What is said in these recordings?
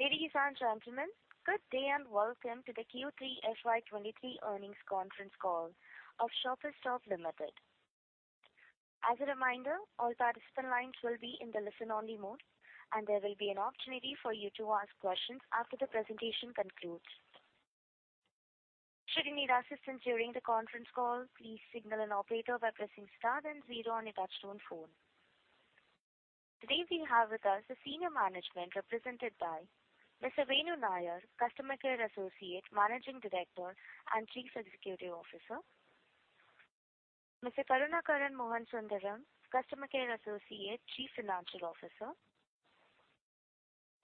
Ladies and gentlemen, good day and welcome to the Q3 FY23 earnings conference call of Shoppers Stop Limited. As a reminder, all participant lines will be in the listen-only mode, and there will be an opportunity for you to ask questions after the presentation concludes. Should you need assistance during the conference call, please signal an operator by pressing star then 0 on your touchtone phone. Today we have with us the senior management represented by Mr. Venu Nair, Customer Care Associate, Managing Director and Chief Executive Officer. Mr. Karunakaran Mohanasundaram, Customer Care Associate, Chief Financial Officer.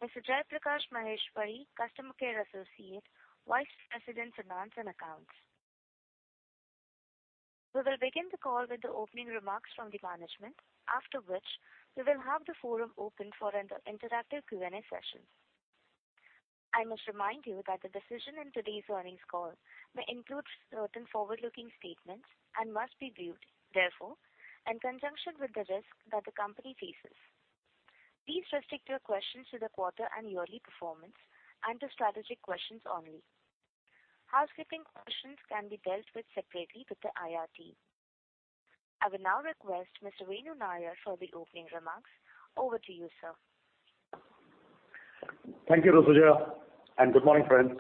Mr. Jaiprakash Maheshwari, Customer Care Associate, Vice President, Finance and Accounts. We will begin the call with the opening remarks from the management, after which we will have the forum open for an interactive Q&A session. I must remind you that the decision in today's earnings call may include certain forward-looking statements and must be viewed, therefore, in conjunction with the risk that the company faces. Please restrict your questions to the quarter and yearly performance and to strategic questions only. Housekeeping questions can be dealt with separately with the IR team. I will now request Mr. Venu Nair for the opening remarks. Over to you, sir. Thank you, Rutuja, and good morning, friends.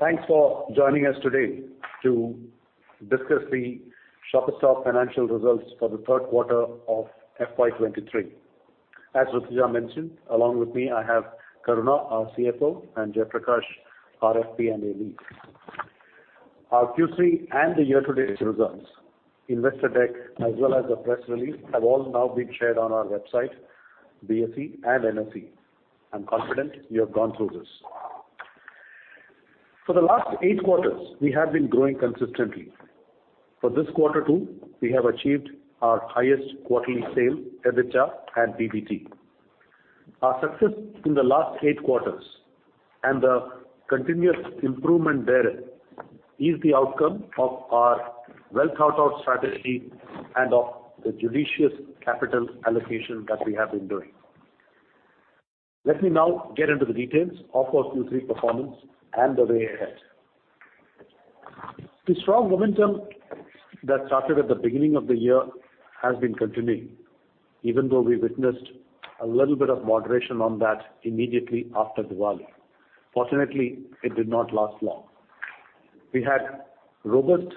Thanks for joining us today to discuss the Shoppers Stop financial results for the third quarter of FY23. As Rutuja mentioned, along with me, I have Karuna, our CFO, and Jaiprakash, RFP and ALO. Our Q3 and the year-to-date results, investor deck, as well as the press release, have all now been shared on our website, BSE and NSE. I'm confident you have gone through this. For the last eight quarters, we have been growing consistently. For this quarter too, we have achieved our highest quarterly sale, EBITDA and PBT. Our success in the last eight quarters and the continuous improvement therein is the outcome of our well-thought-out strategy and of the judicious capital allocation that we have been doing. Let me now get into the details of our Q3 performance and the way ahead. The strong momentum that started at the beginning of the year has been continuing, even though we witnessed a little bit of moderation on that immediately after Diwali. Fortunately, it did not last long. We had robust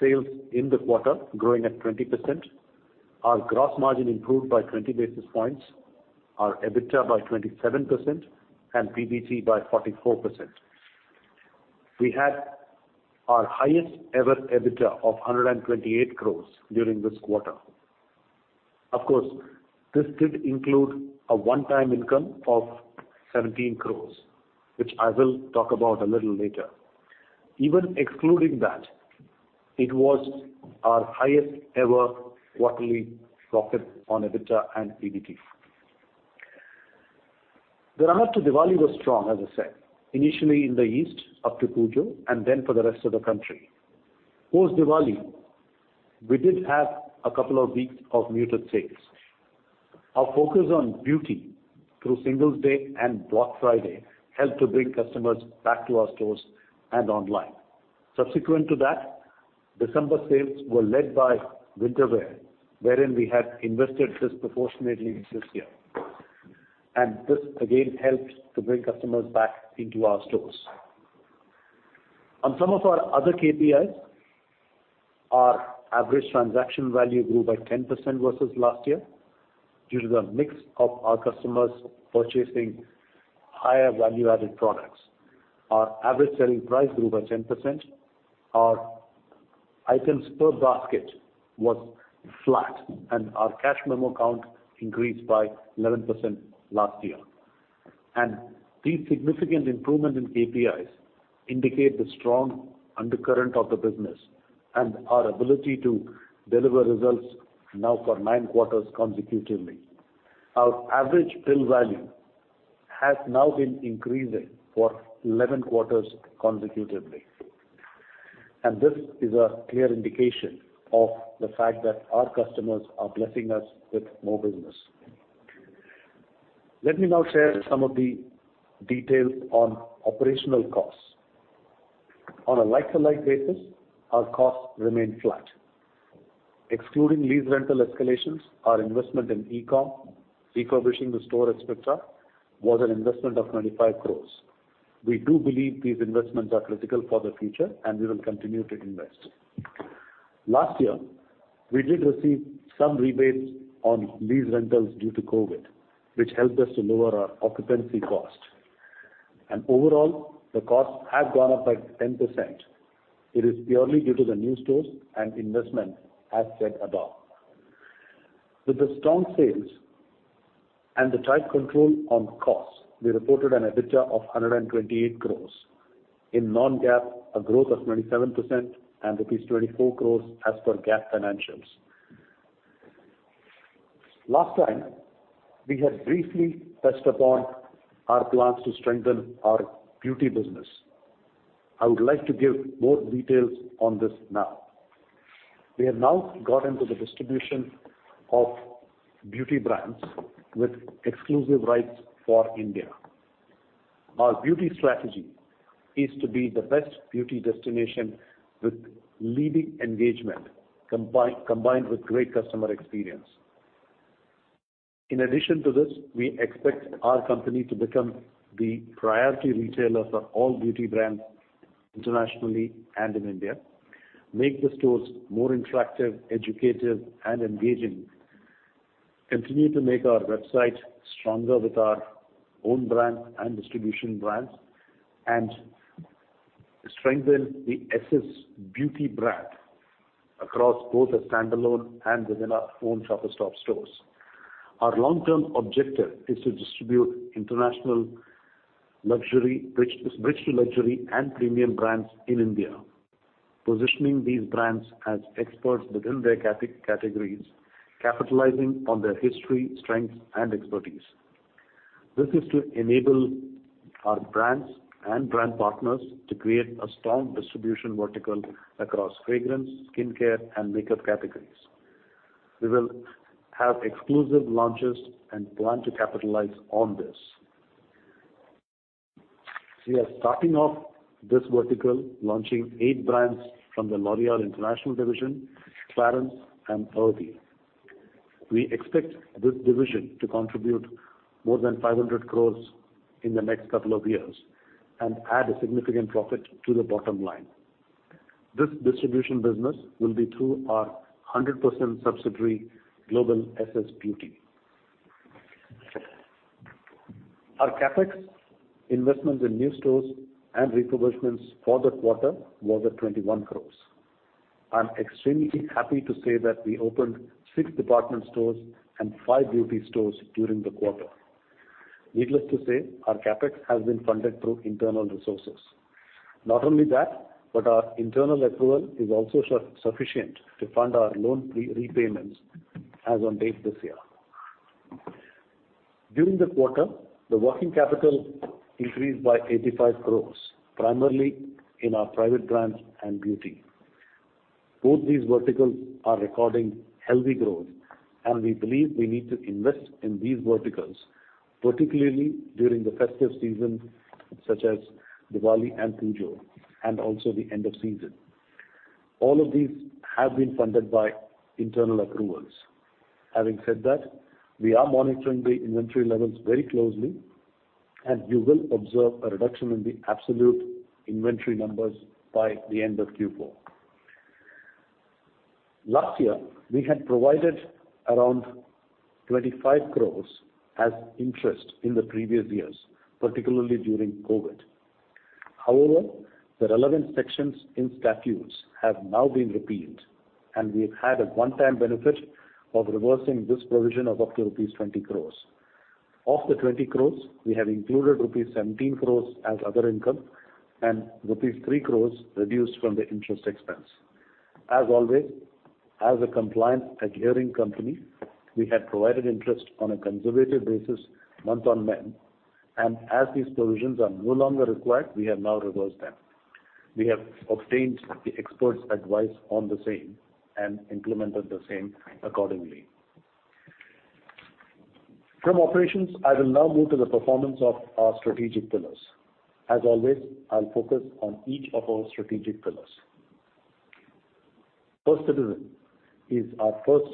sales in the quarter, growing at 20%. Our gross margin improved by 20 basis points, our EBITDA by 27% and PBT by 44%. We had our highest ever EBITDA of 128 crores during this quarter. This did include a one-time income of 17 crores, which I will talk about a little later. Even excluding that, it was our highest ever quarterly profit on EBITDA and PBT. The run up to Diwali was strong, as I said, initially in the east up to Puja and then for the rest of the country. Post-Diwali, we did have a couple of weeks of muted sales. Our focus on beauty through Singles Day and Black Friday helped to bring customers back to our stores and online. Subsequent to that, December sales were led by winter wear, wherein we had invested disproportionately this year. This again helped to bring customers back into our stores. On some of our other KPIs, our average transaction value grew by 10% versus last year due to the mix of our customers purchasing higher value-added products. Our average selling price grew by 10%. Our items per basket was flat, and our cash memo count increased by 11% last year. These significant improvement in KPIs indicate the strong undercurrent of the business and our ability to deliver results now for 9 quarters consecutively. Our average bill value has now been increasing for 11 quarters consecutively. This is a clear indication of the fact that our customers are blessing us with more business. Let me now share some of the details on operational costs. On a like-to-like basis, our costs remain flat. Excluding lease rental escalations, our investment in eCom, refurbishing the store, et cetera, was an investment of 95 crores. We do believe these investments are critical for the future, and we will continue to invest. Last year, we did receive some rebates on lease rentals due to COVID, which helped us to lower our occupancy cost. Overall, the costs have gone up by 10%. It is purely due to the new stores and investment, as said above. With the strong sales and the tight control on costs, we reported an EBITDA of 128 crores. In non-GAAP, a growth of 27% and rupees 24 crores as per GAAP financials. Last time, we had briefly touched upon our plans to strengthen our beauty business. I would like to give more details on this now. We have now got into the distribution of beauty brands with exclusive rights for India. Our beauty strategy is to be the best beauty destination with leading engagement combined with great customer experience. In addition to this, we expect our company to become the priority retailer for all beauty brands internationally and in India, make the stores more interactive, educative and engaging, continue to make our website stronger with our own brand and distribution brands, and strengthen the SS Beauty brand across both the standalone and within our own Shoppers Stop stores. Our long-term objective is to distribute international luxury, bridge to luxury and premium brands in India, positioning these brands as experts within their categories, capitalizing on their history, strengths, and expertise. This is to enable our brands and brand partners to create a strong distribution vertical across fragrance, skincare, and makeup categories. We will have exclusive launches and plan to capitalize on this. We are starting off this vertical launching 8 brands from the L'Oréal International Division, Clarins, and CeraVe. We expect this division to contribute more than 500 crores in the next couple of years and add a significant profit to the bottom line. This distribution business will be through our 100% subsidiary, Global SS Beauty. Our CapEx investments in new stores and refurbishments for the quarter was at 21 crores. I'm extremely happy to say that we opened 6 department stores and 5 beauty stores during the quarter. Needless to say, our CapEx has been funded through internal resources. Our internal approval is also sufficient to fund our loan pre-repayments as on date this year. During the quarter, the working capital increased by 85 crores, primarily in our private brands and beauty. Both these verticals are recording healthy growth, we believe we need to invest in these verticals, particularly during the festive season such as Diwali and Puja, and also the End of Season. All of these have been funded by internal approvals. Having said that, we are monitoring the inventory levels very closely, you will observe a reduction in the absolute inventory numbers by the end of Q4. Last year, we had provided around 25 crores as interest in the previous years, particularly during COVID. However, the relevant sections in statutes have now been repealed, we've had a one-time benefit of reversing this provision of up to rupees 20 crores. Of the 20 crores, we have included rupees 17 crores as other income and rupees 3 crores reduced from the interest expense. As always, as a compliance-adhering company, we have provided interest on a conservative basis month-on-month. As these provisions are no longer required, we have now reversed them. We have obtained the expert's advice on the same and implemented the same accordingly. From operations, I will now move to the performance of our strategic pillars. As always, I'll focus on each of our strategic pillars. First Citizen is our first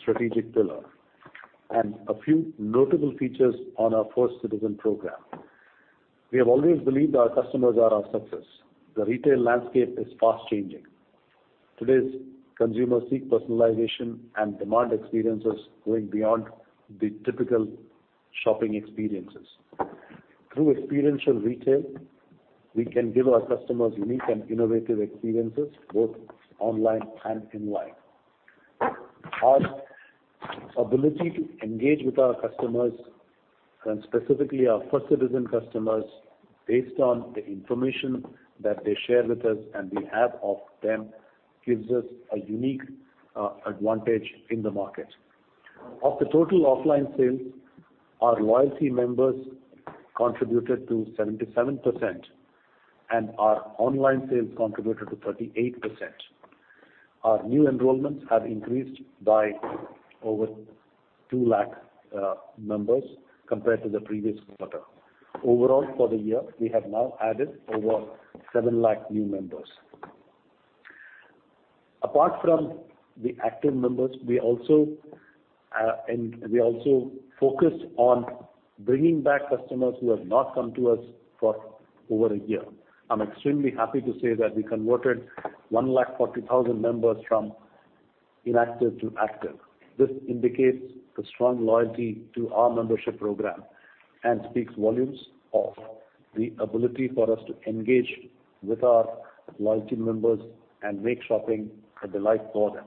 strategic pillar and a few notable features on our First Citizen program. We have always believed our customers are our success. The retail landscape is fast changing. Today's consumers seek personalization and demand experiences going beyond the typical shopping experiences. Through experiential retail, we can give our customers unique and innovative experiences, both online and in live. Our ability to engage with our customers, and specifically our First Citizen customers, based on the information that they share with us and we have of them, gives us a unique advantage in the market. Of the total offline sales, our loyalty members contributed to 77%, and our online sales contributed to 38%. Our new enrollments have increased by over 2 lakh members compared to the previous quarter. Overall, for the year, we have now added over 7 lakh new members. Apart from the active members, we also focus on bringing back customers who have not come to us for over a year. I'm extremely happy to say that we converted 1 lakh 40,000 members from inactive to active. This indicates the strong loyalty to our membership program and speaks volumes of the ability for us to engage with our loyalty members and make shopping a delight for them.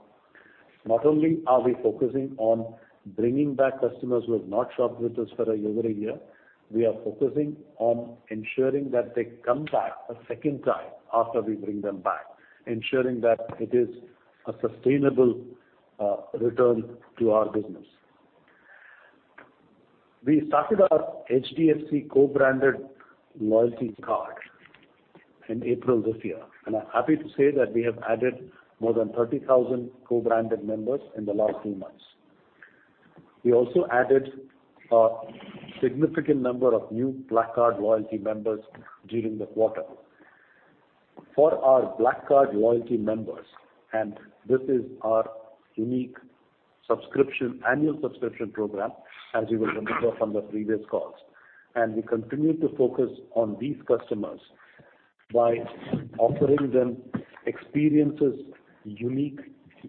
Not only are we focusing on bringing back customers who have not shopped with us for over a year, we are focusing on ensuring that they come back a second time after we bring them back, ensuring that it is a sustainable return to our business. We started our HDFC co-branded loyalty card in April this year. I'm happy to say that we have added more than 30,000 co-branded members in the last three months. We also added a significant number of new Black Card loyalty members during the quarter. For our Black Card loyalty members, and this is our unique subscription, annual subscription program, as you will remember from the previous calls, and we continue to focus on these customers by offering them experiences unique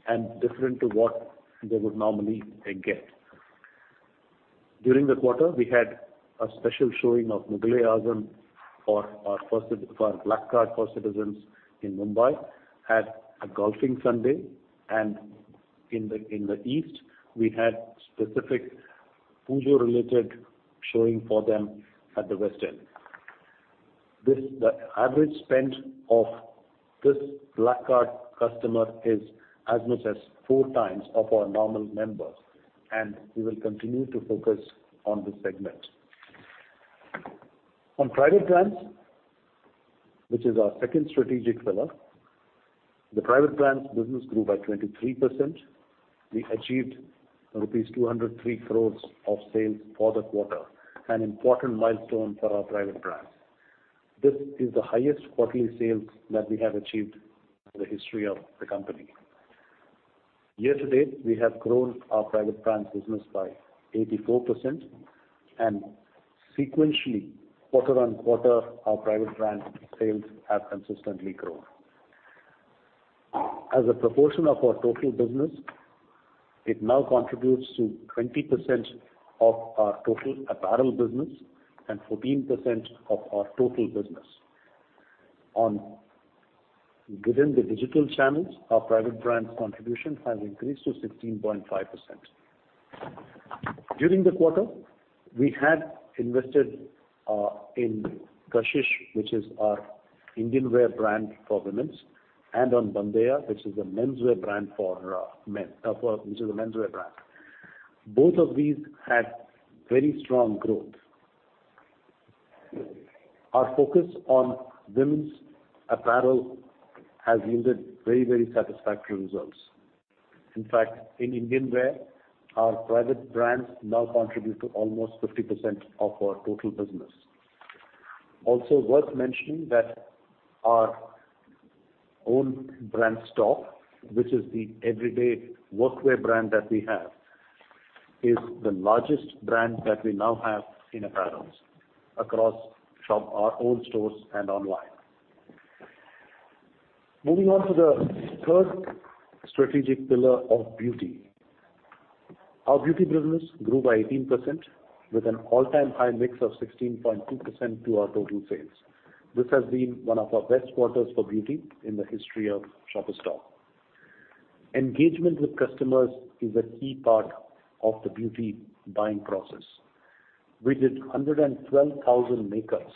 and different to what they would normally get. During the quarter, we had a special showing of Mughal-e-Azam for our for our Black Card First Citizen in Mumbai, had a golfing Sunday, and in the, in the east, we had specific Puja-related showing for them at the Westend Mall. This, the average spend of this Black Card customer is as much as 4 times of our normal members, and we will continue to focus on this segment. On private brands, which is our second strategic pillar, the private brands business grew by 23%. We achieved rupees 203 crores of sales for the quarter, an important milestone for our private brands. This is the highest quarterly sales that we have achieved in the history of the company. Year-to-date, we have grown our private brands business by 84% and sequentially quarter-on-quarter, our private brand sales have consistently grown. As a proportion of our total business, it now contributes to 20% of our total apparel business and 14% of our total business. Within the digital channels, our private brands contribution has increased to 16.5%. During the quarter, we had invested in Kashish, which is our Indian wear brand for women's, and on Bandeya, which is a menswear brand for men. Both of these had very strong growth. Our focus on women's apparel has yielded very, very satisfactory results. In fact, in Indian wear, our private brands now contribute to almost 50% of our total business. Also worth mentioning that our own brand stock, which is the everyday workwear brand that we have, is the largest brand that we now have in apparels across from our own stores and online. Moving on to the third strategic pillar of beauty. Our beauty business grew by 18% with an all-time high mix of 16.2% to our total sales. This has been one of our best quarters for beauty in the history of Shoppers Stop. Engagement with customers is a key part of the beauty buying process. We did 112,000 makeups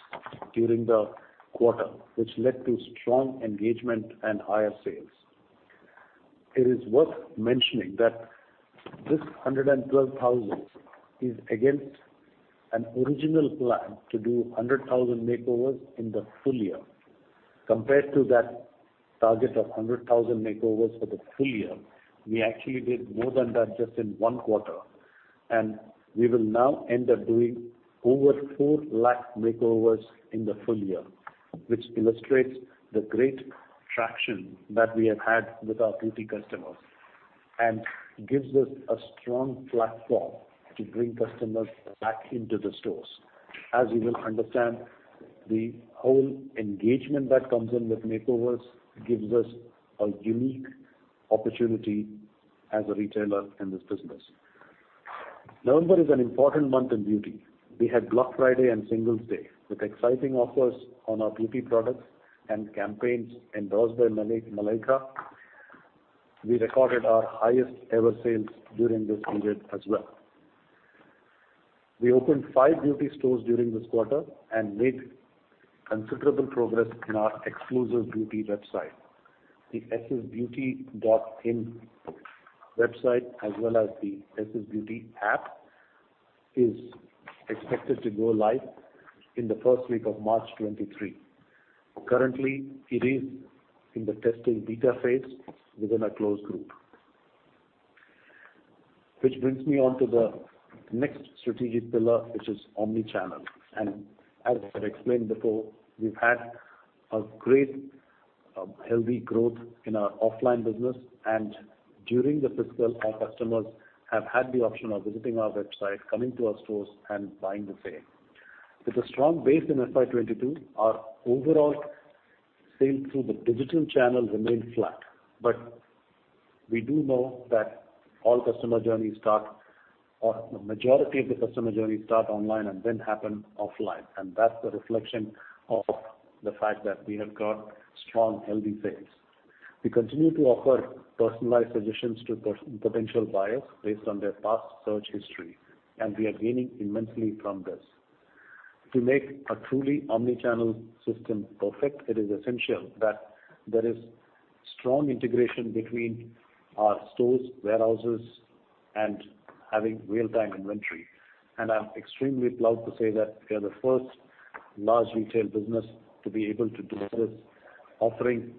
during the quarter, which led to strong engagement and higher sales. It is worth mentioning that this 112,000 is against an original plan to do 100,000 makeovers in the full year. Compared to that target of 100,000 makeovers for the full year, we actually did more than that just in 1 quarter. We will now end up doing over 4 lakh makeovers in the full year, which illustrates the great traction that we have had with our beauty customers and gives us a strong platform to bring customers back into the stores. As you will understand, the whole engagement that comes in with makeovers gives us a unique opportunity as a retailer in this business. November is an important month in beauty. We had Black Friday and Singles Day with exciting offers on our beauty products and campaigns endorsed by Malaika Arora. We recorded our highest ever sales during this period as well. We opened five beauty stores during this quarter and made considerable progress in our exclusive beauty website. The ssbeauty.in website as well as the SS Beauty app is expected to go live in the first week of March 2023. Currently, it is in the testing beta phase within a closed group. This brings me on to the next strategic pillar, which is omni-channel. As I explained before, we've had a great healthy growth in our offline business. During the fiscal, our customers have had the option of visiting our website, coming to our stores and buying the same. With a strong base in FY22, our overall sales through the digital channel remained flat. We do know that all customer journeys start, or majority of the customer journeys start online and then happen offline. That's the reflection of the fact that we have got strong, healthy sales. We continue to offer personalized solutions to potential buyers based on their past search history, and we are gaining immensely from this. To make a truly omni-channel system perfect, it is essential that there is strong integration between our stores, warehouses, and having real-time inventory. I'm extremely proud to say that we are the first large retail business to be able to deliver this, offering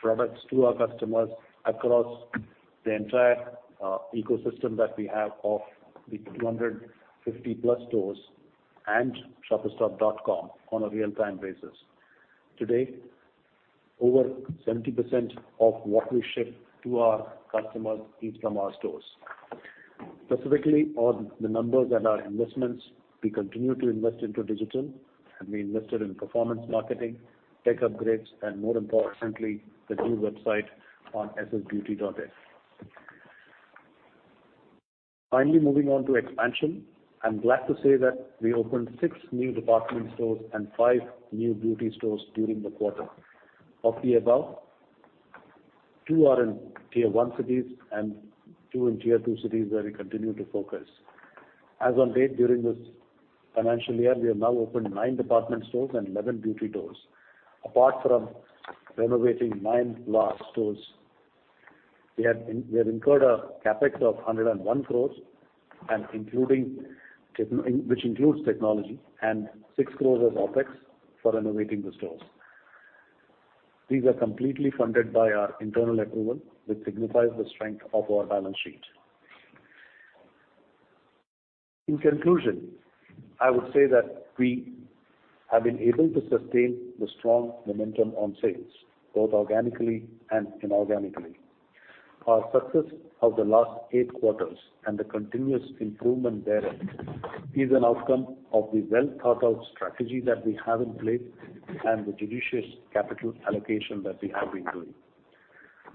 products to our customers across the entire ecosystem that we have of the 250-plus stores and shopperstop.com on a real-time basis. Today, over 70% of what we ship to our customers is from our stores. Specifically on the numbers and our investments, we continue to invest into digital, and we invested in performance marketing, tech upgrades, and more importantly, the new website on ssbeauty.in. Finally, moving on to expansion. I'm glad to say that we opened 6 new department stores and 5 new beauty stores during the quarter. Of the above, 2 are in tier one cities and 2 in tier two cities, where we continue to focus. As on date, during this financial year, we have now opened 9 department stores and 11 beauty stores. Apart from renovating 9 large stores, we have incurred a CapEx of 101 crores which includes technology and 6 crores as OpEx for renovating the stores. These are completely funded by our internal accrual, which signifies the strength of our balance sheet. In conclusion, I would say that we have been able to sustain the strong momentum on sales, both organically and inorganically. Our success of the last eight quarters and the continuous improvement therein is an outcome of the well-thought-out strategy that we have in place and the judicious capital allocation that we have been doing.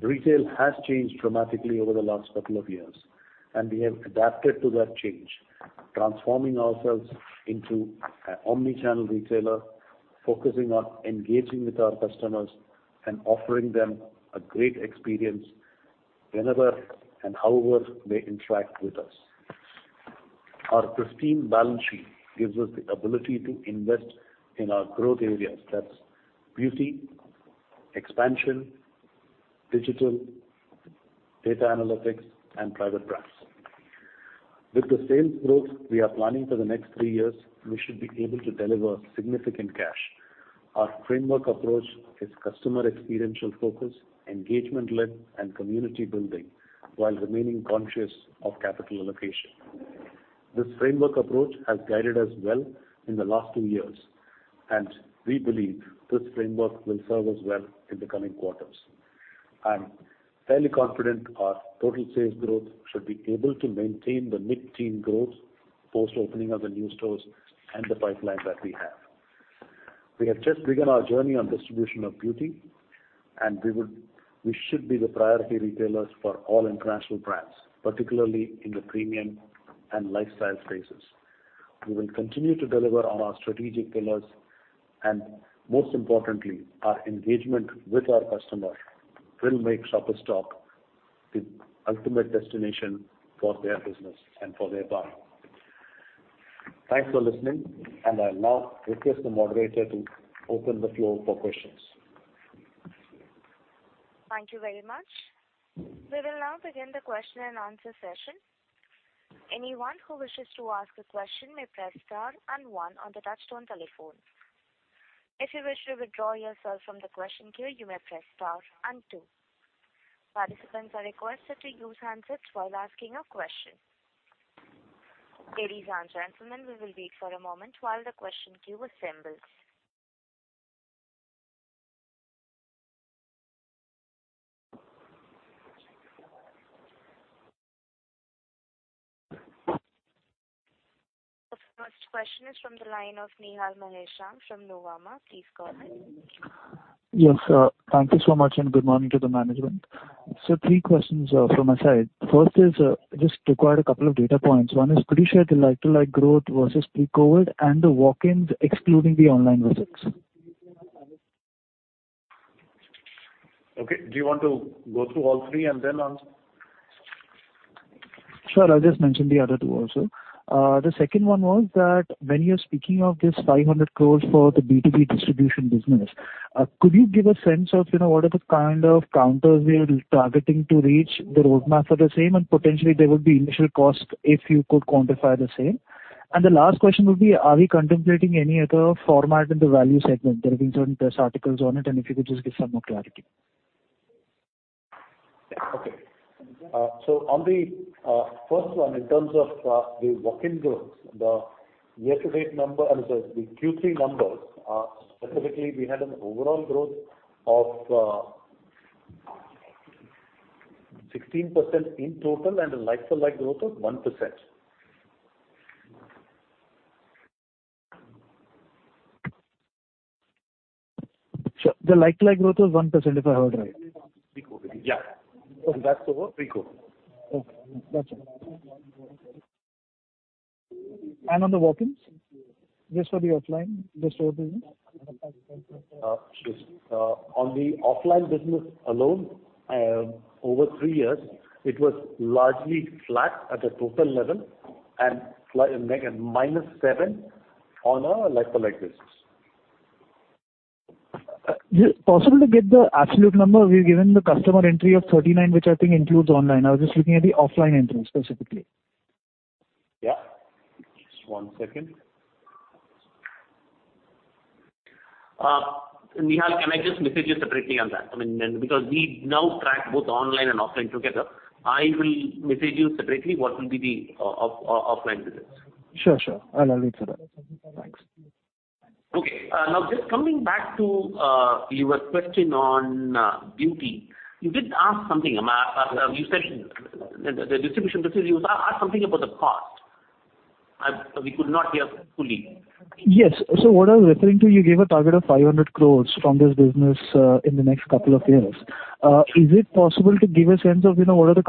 Retail has changed dramatically over the last couple of years, and we have adapted to that change, transforming ourselves into an omni-channel retailer, focusing on engaging with our customers and offering them a great experience whenever and however they interact with us. Our pristine balance sheet gives us the ability to invest in our growth areas. That's beauty, expansion, digital, data analytics, and private brands, with the sales growth we are planning for the next three years, we should be able to deliver significant cash. Our framework approach is customer experiential focus, engagement led, and community building, while remaining conscious of capital allocation. This framework approach has guided us well in the last two years, and we believe this framework will serve us well in the coming quarters. I'm fairly confident our total sales growth should be able to maintain the mid-teen growth post opening of the new stores and the pipeline that we have. We have just begun our journey on distribution of beauty, and we should be the priority retailers for all international brands, particularly in the premium and lifestyle spaces. We will continue to deliver on our strategic pillars, and most importantly, our engagement with our customer will make Shoppers Stop the ultimate destination for their business and for their buying. Thanks for listening, and I'll now request the moderator to open the floor for questions. Thank you very much. We will now begin the question and answer session. Anyone who wishes to ask a question may press star and 1 on the touchtone telephone. If you wish to withdraw yourself from the question queue, you may press star and 2. Participants are requested to use handsets while asking a question. Ladies and gentlemen, we will wait for a moment while the question queue assembles. The first question is from the line of Nihal Jham from Nuvama. Please go ahead. Yes, sir. Thank you so much, and good morning to the management. Three questions from my side. First is, just require a couple of data points. One is pretty sure the like-to-like growth versus pre-COVID and the walk-ins excluding the online visits. Okay, do you want to go through all three and then answer? Sure, I'll just mention the other two also. The second one was that when you're speaking of this 500 crore for the B2B distribution business, could you give a sense of, you know, what are the kind of counters you're targeting to reach the roadmap for the same? Potentially there would be initial costs if you could quantify the same. The last question would be, are we contemplating any other format in the value segment? There have been certain press articles on it, if you could just give some more clarity. Okay. On the first one, in terms of the walk-in growth, the year-to-date number, I'm sorry, the Q3 numbers, specifically we had an overall growth of 16% in total and a like-to-like growth of 1%. Sir, the like-to-like growth was 1%, if I heard right? Yeah. That's the pre-COVID. Okay. That's all. On the walk-ins? Just for the offline, the store business? Sure. On the offline business alone, over 3 years, it was largely flat at a total level and slight -7% on a like-for-like basis. Is it possible to get the absolute number? We've given the customer entry of 39, which I think includes online. I was just looking at the offline entries specifically. Yeah. Just one second. Nihal, can I just message you separately on that? I mean, because we now track both online and offline together. I will message you separately what will be the offline business. Sure. Sure. I'll wait for that. Thanks. Okay. Now just coming back to your question on beauty. You did ask something. As you said the distribution business. You asked something about the cost. We could not hear fully. Yes. What I'm referring to, you gave a target of 500 crores from this business, in the next couple of years. Is it possible to give a sense of, you know, what are the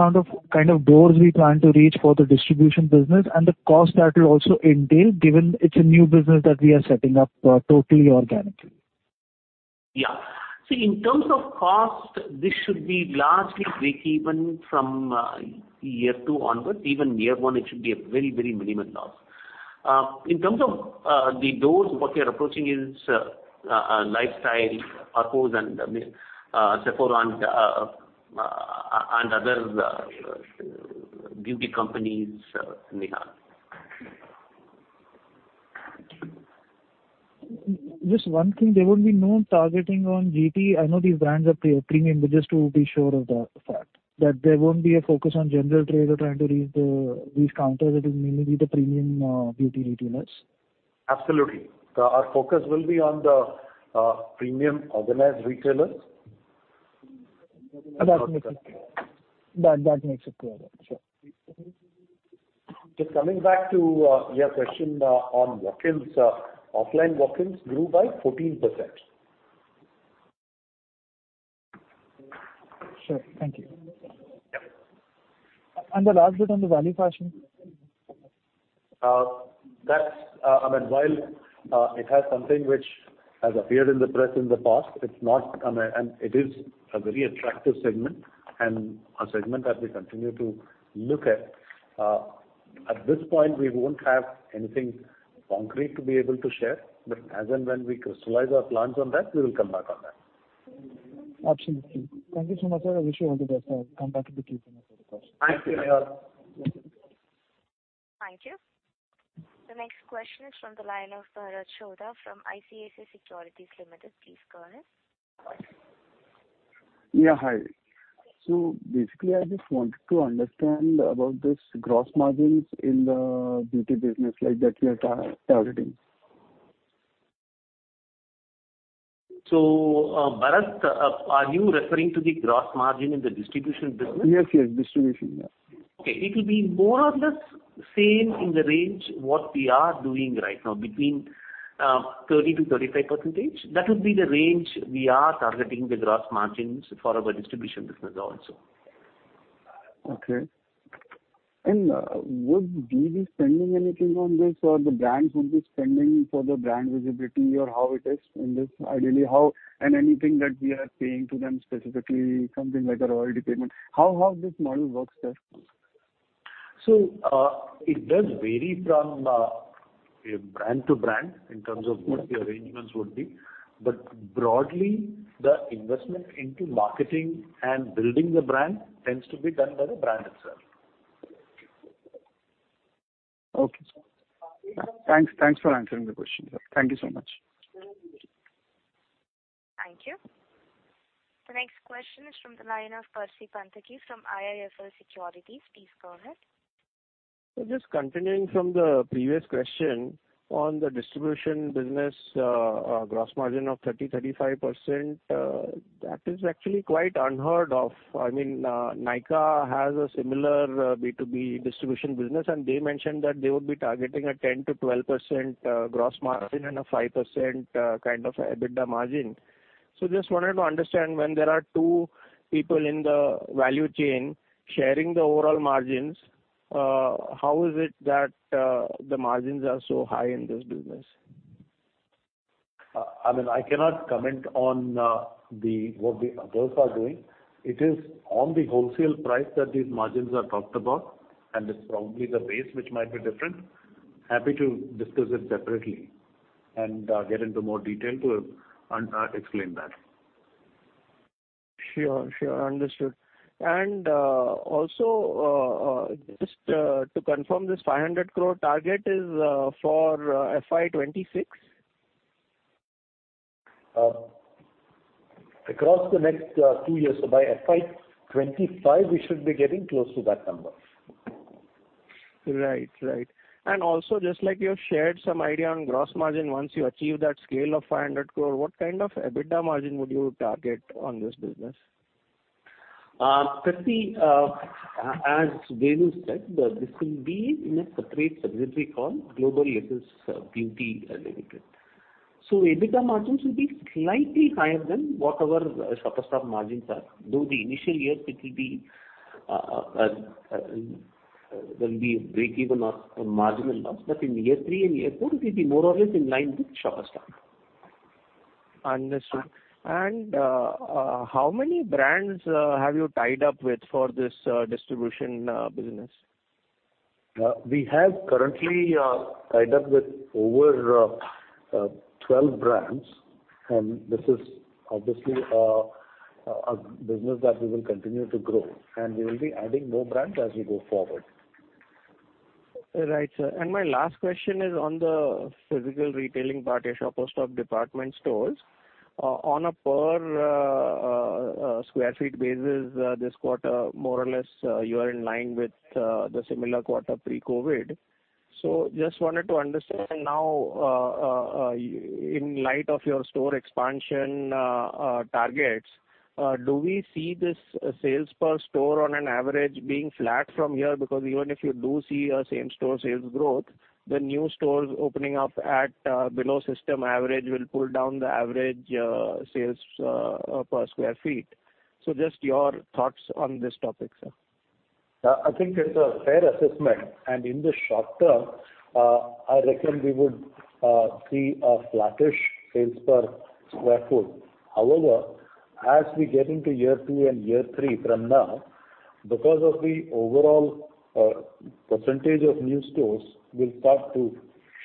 kind of doors we plan to reach for the distribution business and the cost that will also entail, given it's a new business that we are setting up, totally organically? Yeah. See, in terms of cost, this should be largely breakeven from year two onwards. Even year one, it should be a very minimum loss. In terms of the doors, what we are approaching is Lifestyle, Parcos and, I mean, Sephora and other beauty companies, Nihal. Just one thing, there won't be no targeting on GT. I know these brands are premium, but just to be sure of the fact that there won't be a focus on general trader trying to reach these counters. It will mainly be the premium beauty retailers. Absolutely. Our focus will be on the premium organized retailers. That makes it clear. That makes it clear. Sure. Coming back to your question on walk-ins. Offline walk-ins grew by 14%. Sure. Thank you. Yeah. The last bit on the value fashion? That's, I mean, while it has something which has appeared in the press in the past, it's not. It is a very attractive segment and a segment that we continue to look at. At this point, we won't have anything concrete to be able to share, but as and when we crystallize our plans on that, we will come back on that. Absolutely. Thank you so much, sir. I wish you all the best, and come back if we keep any further questions. Thank you, Nihal. Thank you. The next question is from the line of Bharat Chhoda from ICICI Securities Limited. Please go ahead. Yeah, hi. basically, I just wanted to understand about this gross margins in the beauty business like that you are targeting. Bharat, are you referring to the gross margin in the distribution business? Yes, yes, distribution. Yeah. Okay. It will be more or less same in the range what we are doing right now, between 30%-35%. That would be the range we are targeting the gross margins for our distribution business also. Okay. Would we be spending anything on this or the brands would be spending for the brand visibility or how it is in this? Ideally, how... Anything that we are paying to them, specifically something like a royalty payment. How this model works best? It does vary from brand to brand in terms of what the arrangements would be. Broadly, the investment into marketing and building the brand tends to be done by the brand itself. Okay. Thanks, thanks for answering the question. Thank you so much. Thank you. The next question is from the line of Percy Panthaki from IIFL Securities. Please go ahead. Just continuing from the previous question on the distribution business, gross margin of 30%-35%, that is actually quite unheard of. I mean, Nykaa has a similar B2B distribution business, and they mentioned that they would be targeting a 10%-12% gross margin and a 5% kind of EBITDA margin. Just wanted to understand when there are two people in the value chain sharing the overall margins, how is it that the margins are so high in this business? I mean, I cannot comment on what the others are doing. It is on the wholesale price that these margins are talked about, and it's probably the base which might be different. Happy to discuss it separately and get into more detail to explain that. Sure. Sure. Understood. Also, just to confirm, this 500 crore target is for FY26? Across the next 2 years. By FY25, we should be getting close to that number. Right. Right. Also, just like you have shared some idea on gross margin, once you achieve that scale of 500 crore, what kind of EBITDA margin would you target on this business? Percy, as Venu said, this will be in a separate subsidiary called Global SS Beauty Brands Limited. EBITDA margins will be slightly higher than what our Shoppers Stop margins are. The initial years there'll be a breakeven on margin and loss. In year 3 and year 4 it will be more or less in line with Shoppers Stop. Understood. How many brands have you tied up with for this distribution business? We have currently tied up with over 12 brands, and this is obviously a business that we will continue to grow and we will be adding more brands as we go forward. Right, sir. My last question is on the physical retailing part, your Shoppers Stop department stores. On a per square feet basis, this quarter more or less, you are in line with the similar quarter pre-COVID. Just wanted to understand now, in light of your store expansion targets, do we see this sales per store on an average being flat from here? Because even if you do see a same store sales growth, the new stores opening up at below system average will pull down the average sales per square feet. Just your thoughts on this topic, sir. I think it's a fair assessment. In the short term, I reckon we would see a flattish sales per square foot. However, as we get into year two and year three from now, because of the overall percentage of new stores will start to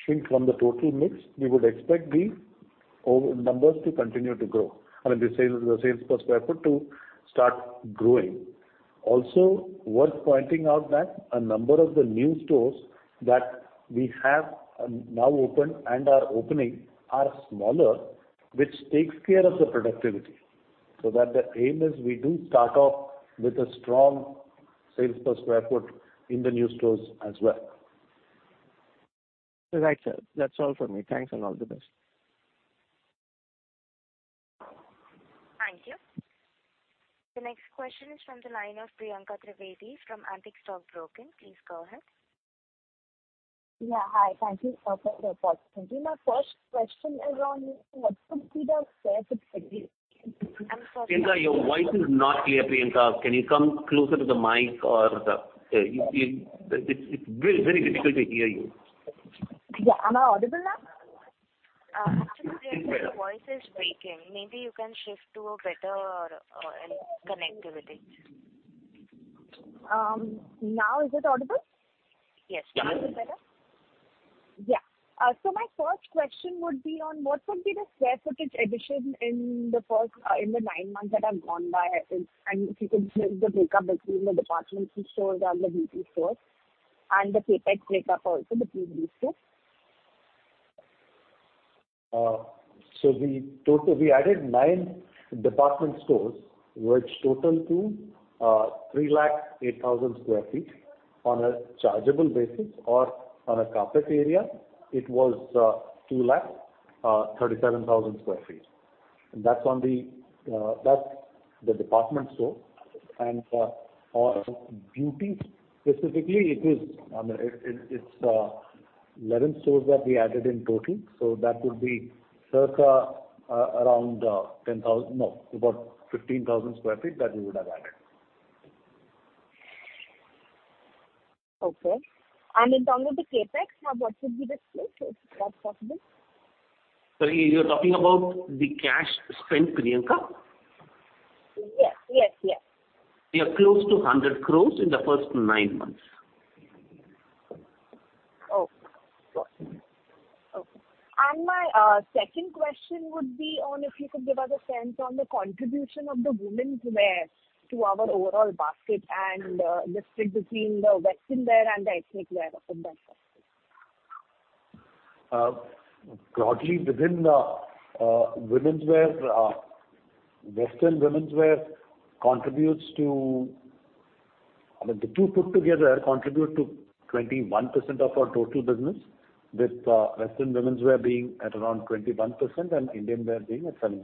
shrink from the total mix, we would expect the over numbers to continue to grow. I mean, the sales per square foot to start growing. Also worth pointing out that a number of the new stores that we have now opened and are opening are smaller, which takes care of the productivity, so that the aim is we do start off with a strong sales per square foot in the new stores as well. Right, sir. That's all for me. Thanks and all the best. Thank you. The next question is from the line of Priyanka Trivedi from Antique Stock Broking. Please go ahead. Yeah. Hi. Thank you, sir, for the reports. My first question is on what would be the square foot addition Priyanka, your voice is not clear, Priyanka. Can you come closer to the mic. You, it's very difficult to hear you. Yeah. Am I audible now? Actually, Priyanka, your voice is breaking. Maybe you can shift to a better connectivity. Now is it audible? Yes. Is it better? Yeah. My first question would be on what would be the square footage addition in the first, in the nine months that have gone by? If you could share the break up between the department stores and the beauty stores, and the CapEx break up also between these two? We added nine department stores, which total to 3 lakh 8,000 square feet on a chargeable basis or on a carpet area it was 2 lakh 37,000 square feet. That's on the department store. On beauty specifically, I mean, it's 11 stores that we added in total. that would be circa around 10,000, no, about 15,000 square feet that we would have added. Okay. In terms of the CapEx, now what should be the split, if that's possible? Sorry, you're talking about the cash spent, Priyanka? Yes. Yes. Yes. We are close to 100 crores in the first nine months. Oh, got you. Okay. My second question would be on if you could give us a sense on the contribution of the women's wear to our overall basket and the split between the western wear and the ethnic wear within that basket? Broadly within women's wear, I mean, the two put together contribute to 21% of our total business, with western women's wear being at around 21% and Indian wear being at 7%.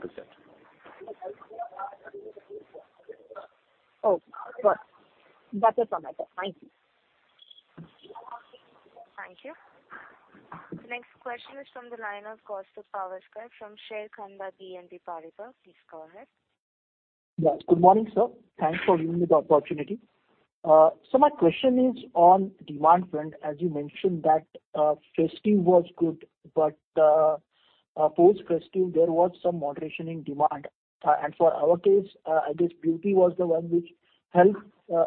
Got it. That is all my side. Thank you. Thank you. The next question is from the line of Kaustubh Pawaskar from Sharekhan by BNP Paribas. Please go ahead. Yeah. Good morning, sir. Thanks for giving me the opportunity. My question is on demand front, as you mentioned that festive was good, but post festive there was some moderation in demand.or For our case, I guess beauty was the one which helped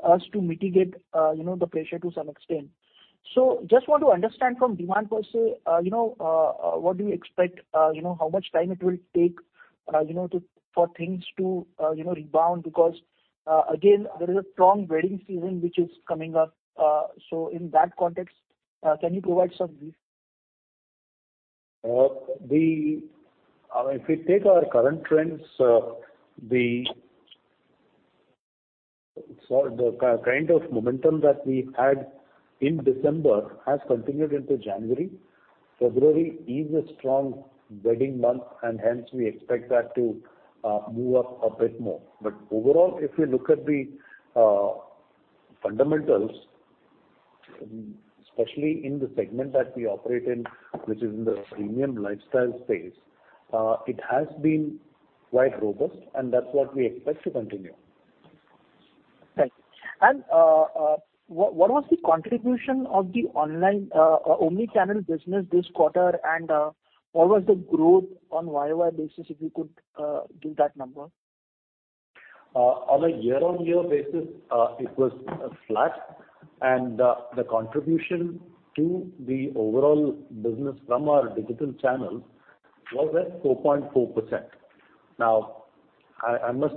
us to mitigate, you know, the pressure to some extent. Just want to understand from demand per se, you know, what do you expect, you know, how much time it will take, you know, to, for things to, you know, rebound? Because again, there is a strong wedding season which is coming up. In that context, can you provide some view? I mean, if we take our current trends, the kind of momentum that we had in December has continued into January. February is a strong wedding month, and hence we expect that to move up a bit more. Overall, if you look at the fundamentals. Especially in the segment that we operate in, which is in the premium lifestyle space, it has been quite robust, and that's what we expect to continue. Thank you. What was the contribution of the online omni-channel business this quarter and what was the growth on YOY basis, if you could give that number? On a year-on-year basis, it was flat. The contribution to the overall business from our digital channel was at 4.4%. Now, I must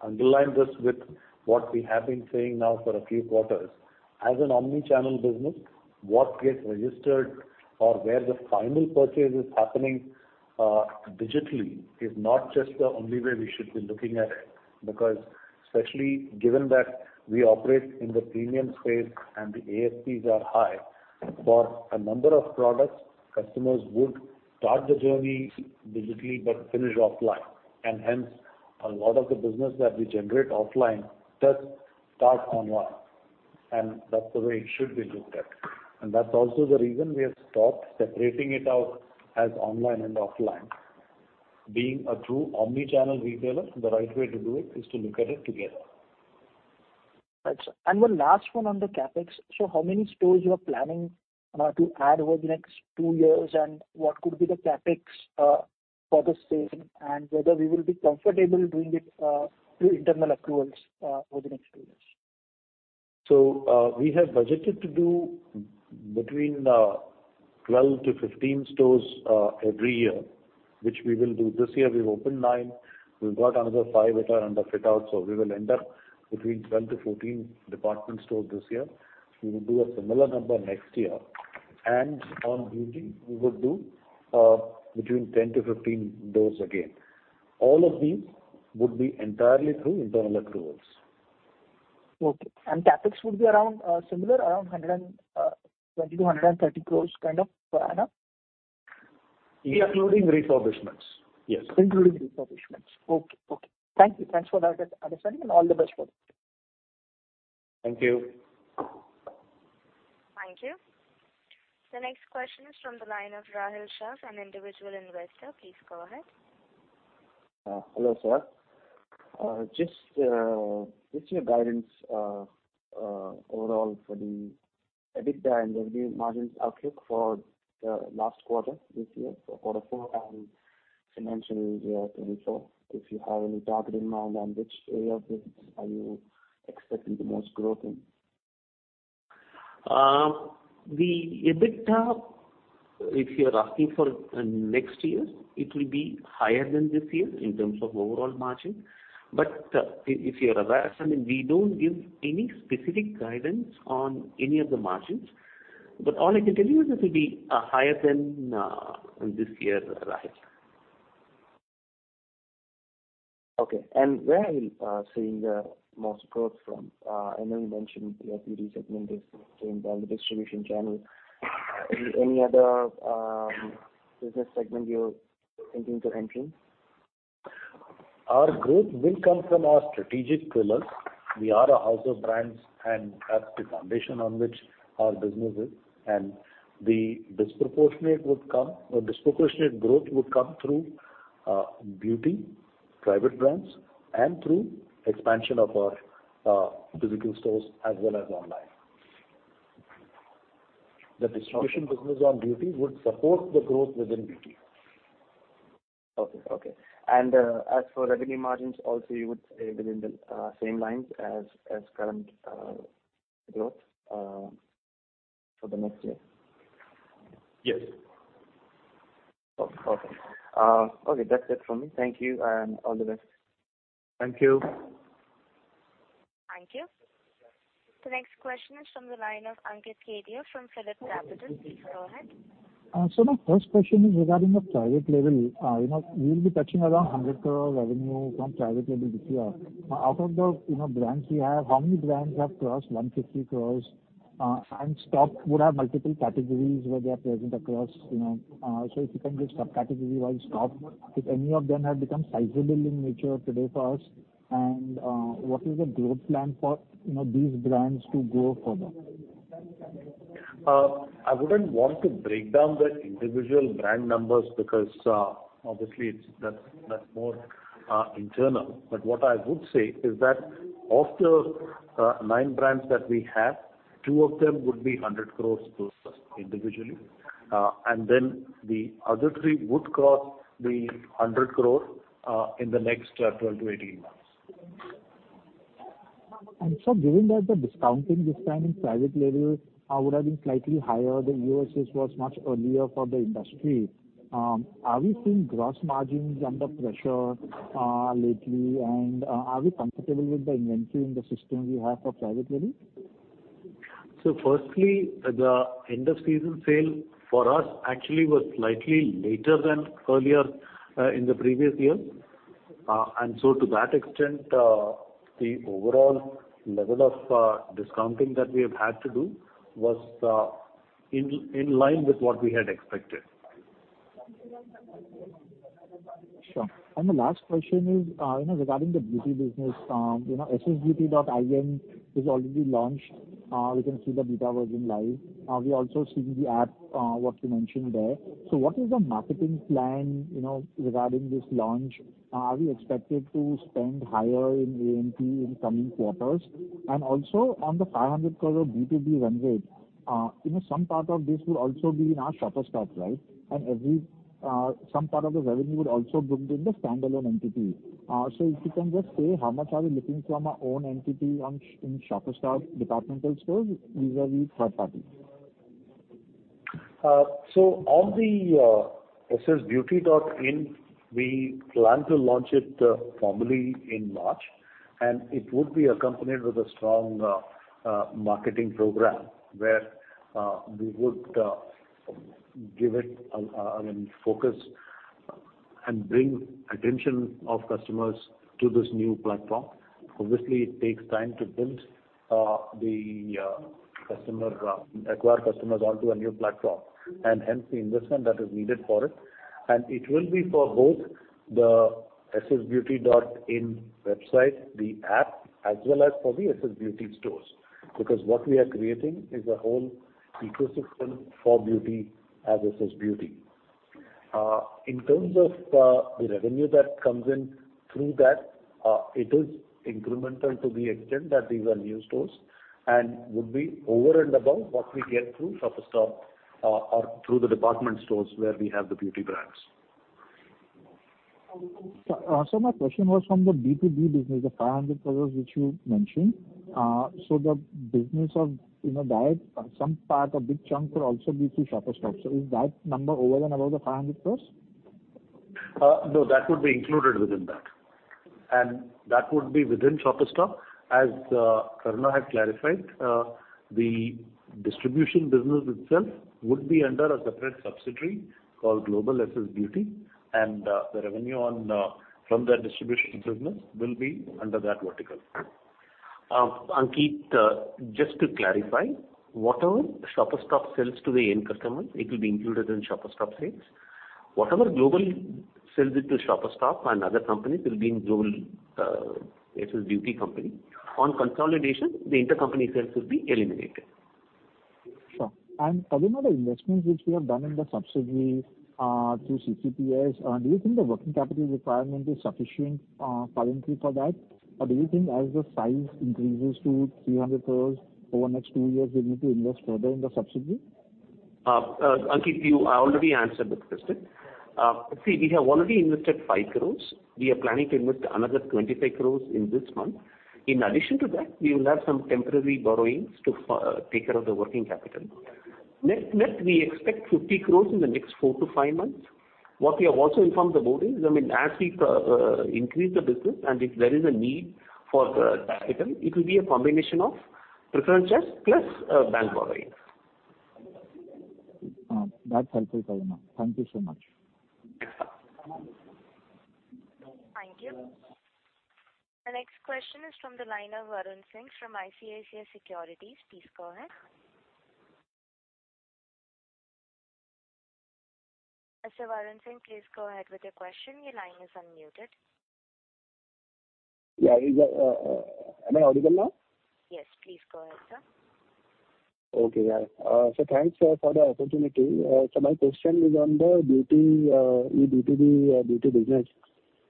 underline this with what we have been saying now for a few quarters. As an omni-channel business, what gets registered or where the final purchase is happening, digitally is not just the only way we should be looking at it, because especially given that we operate in the premium space and the ASPs are high, for a number of products, customers would start the journey digitally but finish offline. Hence, a lot of the business that we generate offline does start online, that's the way it should be looked at. That's also the reason we have stopped separating it out as online and offline. Being a true omni-channel retailer, the right way to do it is to look at it together. Right. One last one on the CapEx. How many stores you are planning to add over the next two years, and what could be the CapEx for the same, and whether we will be comfortable doing it through internal accruals over the next two years? We have budgeted to do between 12 to 15 stores every year, which we will do this year. We've opened 9, we've got another 5 that are under fit-out, so we will end up between 12 to 14 department stores this year. We will do a similar number next year. On beauty we would do between 10 to 15 doors again. All of these would be entirely through internal accruals. Okay. CapEx would be around similar, around 120-130 crores kind of per annum? Including refurbishments, yes. Including refurbishments. Okay. Okay. Thank you. Thanks for that understanding. All the best for it. Thank you. Thank you. The next question is from the line of Rahil Shroff, an Individual Investor. Please go ahead. Hello, sir. Just your guidance, overall for the EBITDA and revenue margins outlook for the last quarter this year, so quarter four and financial year 2024, if you have any target in mind and which area of business are you expecting the most growth in? The EBITDA, if you're asking for next year, it will be higher than this year in terms of overall margin. If you're aware, we don't give any specific guidance on any of the margins, but all I can tell you is it will be higher than this year, Rahil. Okay. Where are you seeing the most growth from? I know you mentioned the FPD segment is same down the distribution channel. Any other business segment you're thinking to entering? Our growth will come from our strategic pillars. We are a house of brands and that's the foundation on which our business is. The disproportionate growth would come through beauty, private brands, and through expansion of our physical stores as well as online. The distribution business on beauty would support the growth within beauty. Okay, okay. As for revenue margins also you would say within the same lines as current growth for the next year? Yes. Okay. Okay, that's it from me. Thank you, and all the best. Thank you. Thank you. The next question is from the line of Ankit Kedia from PhillipCapital. Please go ahead. My first question is regarding the private label. you know, you'll be touching around 100 crore revenue from private label this year. Out of the, you know, brands you have, how many brands have crossed 150 crore? Shoppers Stop would have multiple categories where they are present across, you know. if you can give subcategory-wise Shoppers Stop, if any of them have become sizable in nature today for us, and what is the growth plan for, you know, these brands to grow further? I wouldn't want to break down the individual brand numbers because obviously it's, that's more internal. What I would say is that of the 9 brands that we have, two of them would be 100 crores plus plus individually. The other three would cross the 100 crore in the next 12 to 18 months. Given that the discounting this time in private label, would have been slightly higher, the EOSS was much earlier for the industry, are we seeing gross margins under pressure, lately? Are we comfortable with the inventory in the system we have for private label? Firstly, the End of Season Sale for us actually was slightly later than earlier in the previous year. To that extent, the overall level of discounting that we have had to do was in line with what we had expected. Sure. The last question is, you know, regarding the beauty business, ssbeauty.in is already launched. We can see the beta version live. We also seen the app, what you mentioned there. What is the marketing plan, you know, regarding this launch? Are we expected to spend higher in A&P in coming quarters? Also on the 500 crore B2B run rate, you know, some part of this will also be in our Shoppers Stop, right? Every, some part of the revenue would also book in the standalone entity. If you can just say how much are we looking from our own entity on in Shoppers Stop departmental stores vis-a-vis third party. On the ssbeauty.in, we plan to launch it formally in March, and it would be accompanied with a strong marketing program where we would give it a, I mean, focus and bring attention of customers to this new platform. Obviously, it takes time to build the customer acquire customers onto a new platform, and hence the investment that is needed for it. It will be for both the ssbeauty.in website, the app, as well as for the SS Beauty stores, because what we are creating is a whole ecosystem for beauty as SS Beauty. In terms of the revenue that comes in through that, it is incremental to the extent that these are new stores and would be over and above what we get through Shoppers Stop or through the department stores where we have the beauty brands. Sir, my question was from the B2B business, the 500 crores which you mentioned. The business of, you know, that some part, a big chunk could also be through Shoppers Stop. Is that number over and above the 500 crores? No, that would be included within that. That would be within Shoppers Stop. As Karunakaran had clarified, the distribution business itself would be under a separate subsidiary called Global SS Beauty, and, the revenue on, from that distribution business will be under that vertical. Ankit, just to clarify, whatever Shoppers Stop sells to the end customer, it will be included in Shoppers Stop sales. Whatever Global sells it to Shoppers Stop and other companies will be in Global SS Beauty company. On consolidation, the intercompany sales will be eliminated. Sure. Talking about the investments which we have done in the subsidies, through CCPS, do you think the working capital requirement is sufficient, currently for that? Do you think as the size increases to 300 crores over the next two years, we need to invest further in the subsidies? Ankit, you, I already answered that question. We have already invested 5 crores. We are planning to invest another 25 crores in this month. In addition to that, we will have some temporary borrowings to take care of the working capital. Net, net, we expect 50 crores in the next 4-5 months. What we have also informed the board is, I mean, as we increase the business and if there is a need for the capital, it will be a combination of preference shares plus bank borrowings. That's helpful, Karuna. Thank you so much. Thank you. The next question is from the line of Varun Singh from ICICI Securities. Please go ahead. Mr. Varun Singh, please go ahead with your question. Your line is unmuted. Yeah. Am I audible now? Yes, please go ahead, sir. Okay, yeah. Thanks for the opportunity. My question is on the beauty, the B2B beauty business.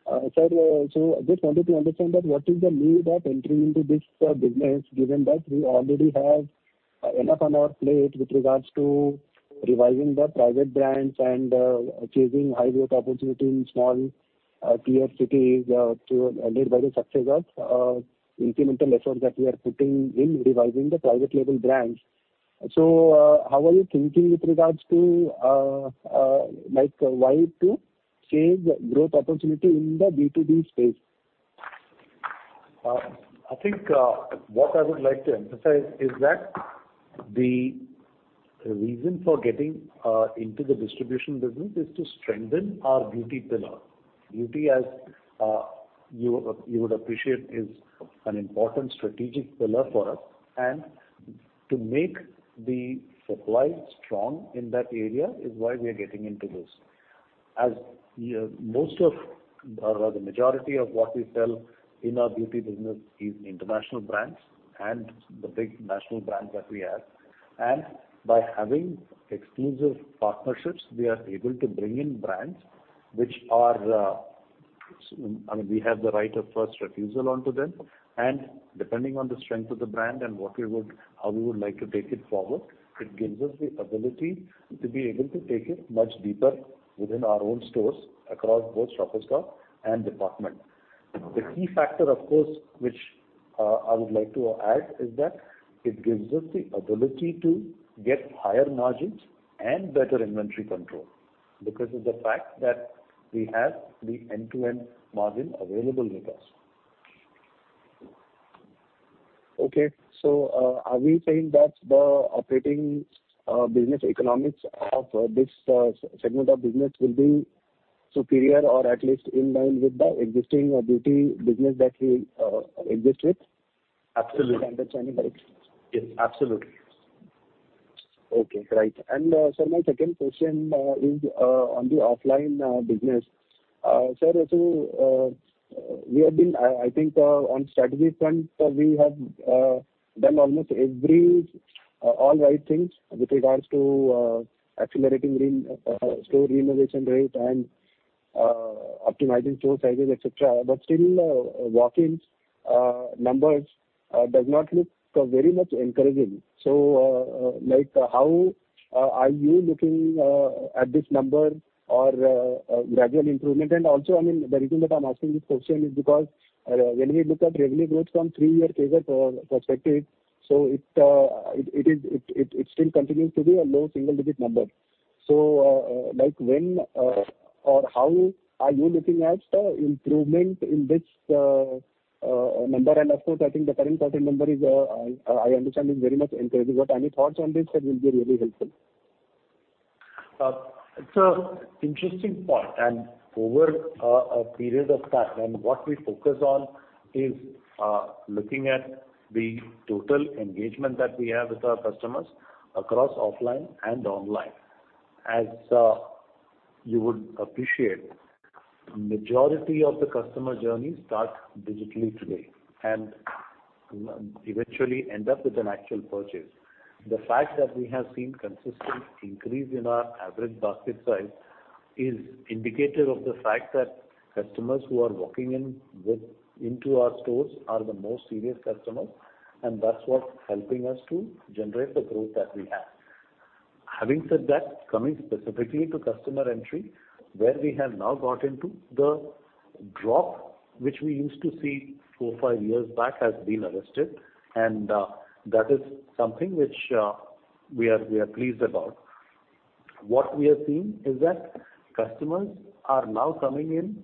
Sir, I just wanted to understand what is the need of entering into this business given that we already have enough on our plate with regards to revising the private brands and achieving high growth opportunity in small tier cities through led by the success of incremental effort that we are putting in revising the private label brands? How are you thinking with regards to, like, why to change growth opportunity in the B2B space? I think, what I would like to emphasize is that the reason for getting into the distribution business is to strengthen our beauty pillar. Beauty, as you would appreciate, is an important strategic pillar for us. To make the supply strong in that area is why we are getting into this. As most of, or the majority of what we sell in our beauty business is international brands and the big national brands that we have. By having exclusive partnerships, we are able to bring in brands which are, I mean, we have the right of first refusal onto them. Depending on the strength of the brand and what we would, how we would like to take it forward, it gives us the ability to be able to take it much deeper within our own stores across both Shoppers Stop and Department. Okay. The key factor, of course, which I would like to add is that it gives us the ability to get higher margins and better inventory control because of the fact that we have the end-to-end margin available with us. Okay. Are we saying that the operating business economics of this segment of business will be superior or at least in line with the existing beauty business that we exist with? Absolutely. Is my understanding right? Yes, absolutely. Okay, right. My second question is on the offline business. Sir, so we have been, I think, on strategy front, we have done almost every all right things with regards to accelerating store renovation rate and optimizing store sizes, et cetera. Still, walk-ins numbers does not look so very much encouraging. Like how are you looking at this number or a gradual improvement? Also, I mean, the reason that I'm asking this question is because when we look at revenue growth from 3-year figures perspective, it still continues to be a low single-digit number. Like, when or how are you looking at improvement in this number? Of course, I think the current quarter number is, I understand is very much encouraging. Any thoughts on this, that will be really helpful. It's an interesting point. Over a period of time, what we focus on is looking at the total engagement that we have with our customers across offline and online. As you would appreciate, majority of the customer journey start digitally today and eventually end up with an actual purchase. The fact that we have seen consistent increase in our average basket size is indicative of the fact that customers who are walking into our stores are the most serious customers, and that's what's helping us to generate the growth that we have. Having said that, coming specifically to customer entry, where we have now got into the drop, which we used to see four, five years back, has been arrested, that is something which we are pleased about. What we are seeing is that customers are now coming in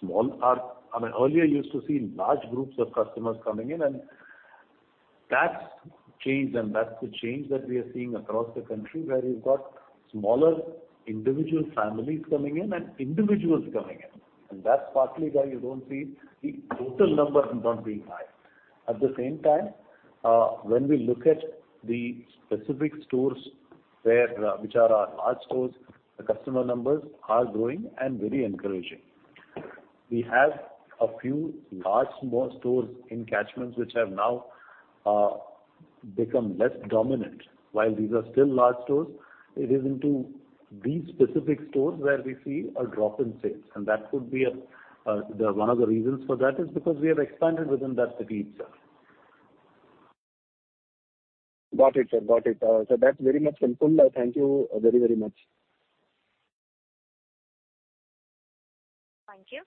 small. I mean, earlier you used to see large groups of customers coming in, and that's changed. That's the change that we are seeing across the country, where you've got smaller individual families coming in and individuals coming in. That's partly why you don't see the total number not being high. At the same time, when we look at the specific stores which are our large stores, the customer numbers are growing and very encouraging. We have a few large small stores in catchments which have now become less dominant. While these are still large stores, it is into these specific stores where we see a drop in sales. That could be one of the reasons for that is because we have expanded within that city itself. Got it, sir. Got it. That's very much helpful. Thank you very, very much. Thank you.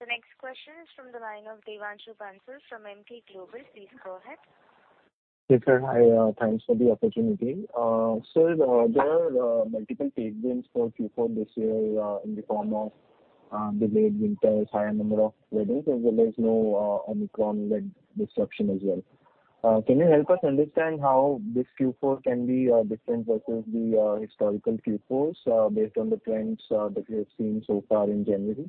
The next question is from the line of Devanshu Bansal from Emkay Global. Please go ahead. Yes, sir. Hi, thanks for the opportunity. There are multiple tailwinds for Q4 this year, in the form of delayed winters, higher number of weddings, as well as no Omicron-led disruption as well. Can you help us understand how this Q4 can be different versus the historical Q4s, based on the trends that we have seen so far in January?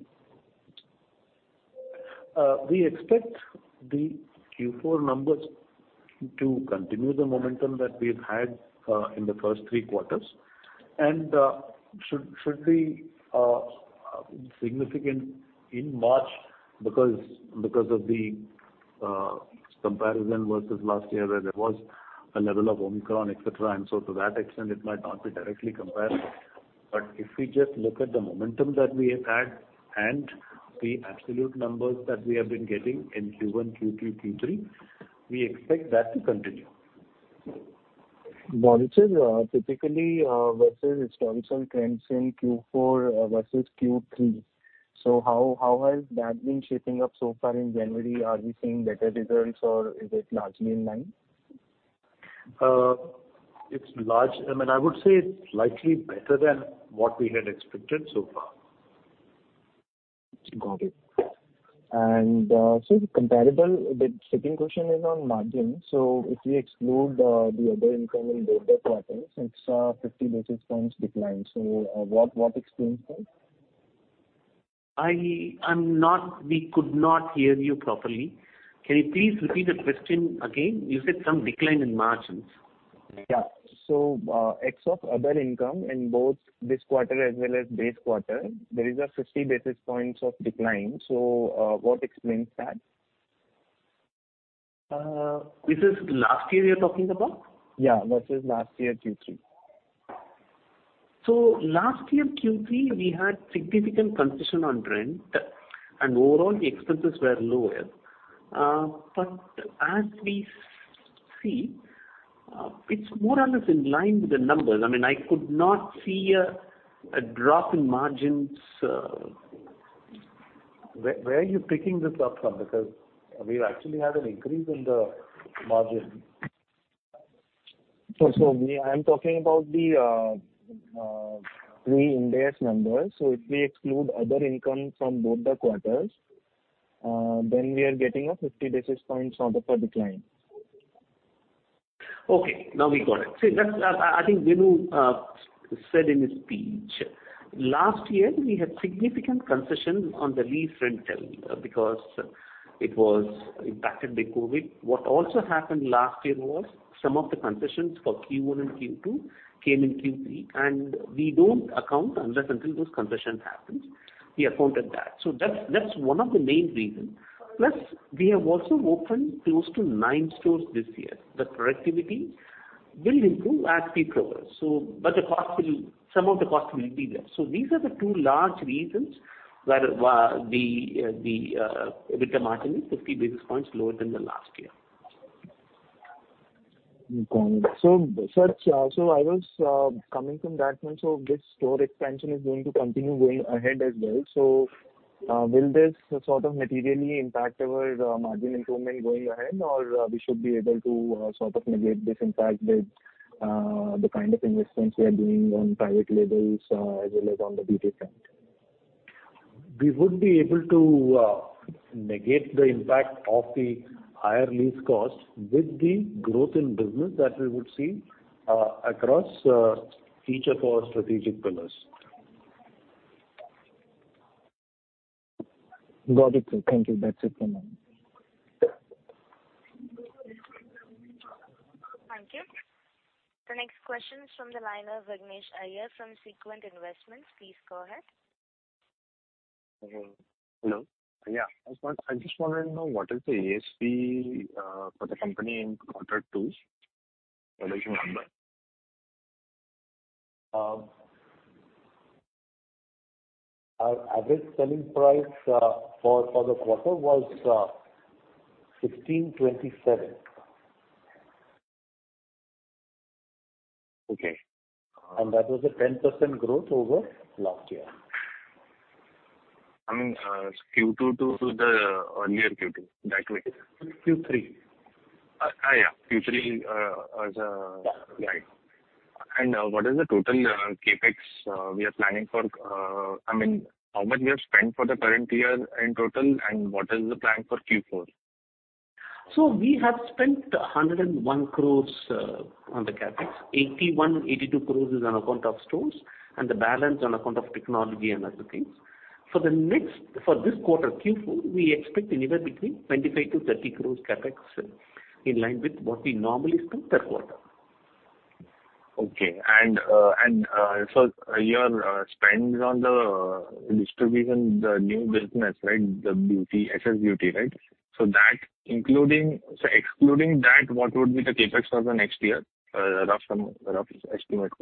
We expect the Q4 numbers to continue the momentum that we've had in the first three quarters. should be significant in March because of the comparison versus last year where there was a level of Omicron, et cetera. To that extent, it might not be directly comparable. If we just look at the momentum that we have had and the absolute numbers that we have been getting in Q1, Q2, Q3, we expect that to continue. Got it, sir. Typically, versus historical trends in Q4 versus Q3, how has that been shaping up so far in January? Are we seeing better results or is it largely in line? It's large. I mean, I would say it's slightly better than what we had expected so far. Got it. The second question is on margin. If we exclude the other income in both the quarters, it's 50 basis points decline. What explains that? We could not hear you properly. Can you please repeat the question again? You said some decline in margins. Ex of other income in both this quarter as well as base quarter, there is a 50 basis points of decline. What explains that? This is last year you're talking about? Yeah, versus last year Q3. Last year Q3, we had significant concession on rent, and overall expenses were lower. As we see, it's more or less in line with the numbers. I mean, I could not see a drop in margins. Where are you picking this up from? Because we actually have an increase in the margin. I'm talking about the pre-Ind AS numbers. If we exclude other income from both the quarters, then we are getting a 50 basis points number decline. Okay, now we got it. See, that's I think Venu said in his speech. Last year, we had significant concession on the lease rental because it was impacted by COVID. What also happened last year was some of the concessions for Q1 and Q2 came in Q3, and we don't account unless until those concession happens. We accounted that. That's one of the main reason. We have also opened close to nine stores this year. The productivity will improve as we progress, but some of the cost will be there. These are the two large reasons where the EBITDA margin is 50 basis points lower than the last year. Sir, I was coming from that point. This store expansion is going to continue going ahead as well. Will this sort of materially impact our margin improvement going ahead, or we should be able to sort of negate this impact with the kind of investments we are doing on private labels, as well as on the beauty front? We would be able to negate the impact of the higher lease costs with the growth in business that we would see across each of our strategic pillars. Got it, sir. Thank you. That's it from my end. Thank you. The next question is from the line of Vignesh Iyer from Sequent Investments. Please go ahead. Hello. Yeah. I just wanted to know what is the ASP for the company in quarter two if you remember? Our average selling price for the quarter was 1,627. Okay. That was a 10% growth over last year. I mean, Q2 to the earlier Q2, that way. Q3. Yeah, Q3. Yeah. Right. What is the total CapEx we are planning for, I mean, how much we have spent for the current year in total, and what is the plan for Q4? We have spent 101 crores on the CapEx. 81-82 crores is on account of stores, and the balance on account of technology and other things. For this quarter, Q4, we expect anywhere between 25-30 crores CapEx in line with what we normally spend per quarter. Okay. Your spends on the distribution, the new business, right, the beauty, SS Beauty, right? Excluding that, what would be the CapEx for the next year, rough estimate?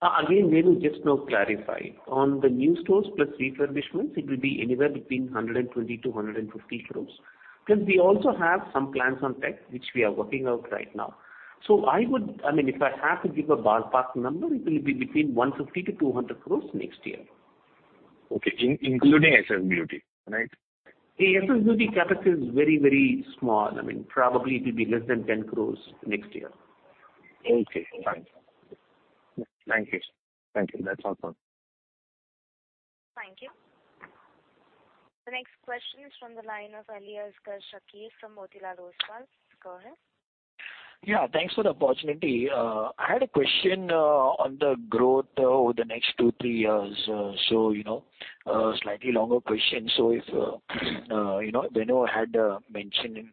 Again, let me just now clarify. On the new stores plus refurbishments, it will be anywhere between 120-150 crores, because we also have some plans on tech, which we are working out right now. I mean, if I have to give a ballpark number, it will be between 150-200 crores next year. Okay. including SS Beauty, right? The SS Beauty CapEx is very, very small. I mean, probably it will be less than 10 crores next year. Okay, fine. Thank you. Thank you. That's all from me. Thank you. The next question is from the line of Aliasgar Shakir from Motilal Oswal. Go ahead. Yeah, thanks for the opportunity. I had a question on the growth over the next 2, 3 years. You know, slightly longer question. If, you know, Venu had mentioned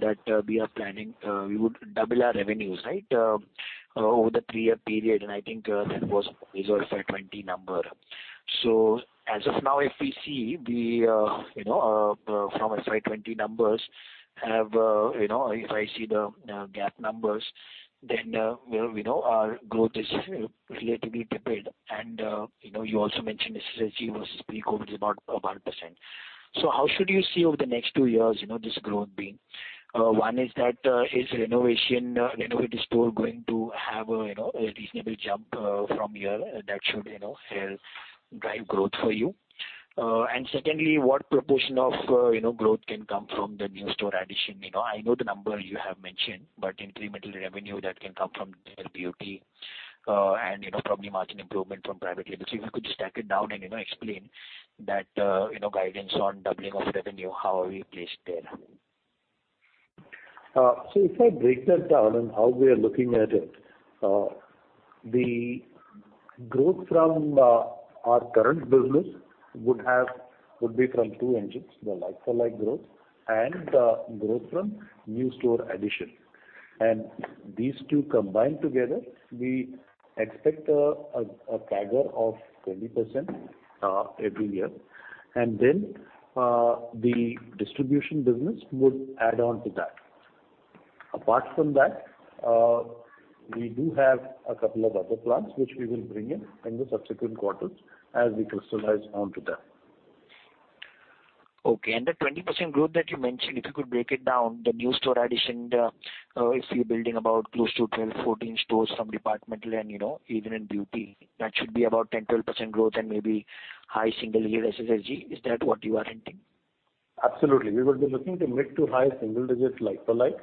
that we are planning, we would double our revenues, right, over the 3-year period, and I think that was resolved for a 20 number. As of now, if we see the, you know, from FY20 numbers have, you know, if I see the GAAP numbers, then, you know, our growth is relatively tepid. You know, you also mentioned SSG versus pre-COVID is about 1%. How should you see over the next 2 years, you know, this growth being? One is that, is renovation, renovated store going to have a, you know, a reasonable jump from here that should, you know, help drive growth for you? Secondly, what proportion of, you know, growth can come from the new store addition? I know the number you have mentioned, but incremental revenue that can come from their beauty, and, you know, probably margin improvement from private label. If you could just stack it down and, you know, explain that, you know, guidance on doubling of revenue, how are we placed there? If I break that down and how we are looking at it, the growth from our current business would be from two engines, the like-for-like growth and growth from new store addition. These two combined together, we expect a CAGR of 20% every year. The distribution business would add on to that. Apart from that, we do have a couple of other plans which we will bring in the subsequent quarters as we crystallize onto that. Okay. The 20% growth that you mentioned, if you could break it down, the new store addition, the, if you're building about close to 12, 14 stores from departmental and, you know, even in beauty, that should be about 10%, 12% growth and maybe high single-year SSG. Is that what you are hinting? Absolutely. We would be looking to mid to high single digits like-for-like,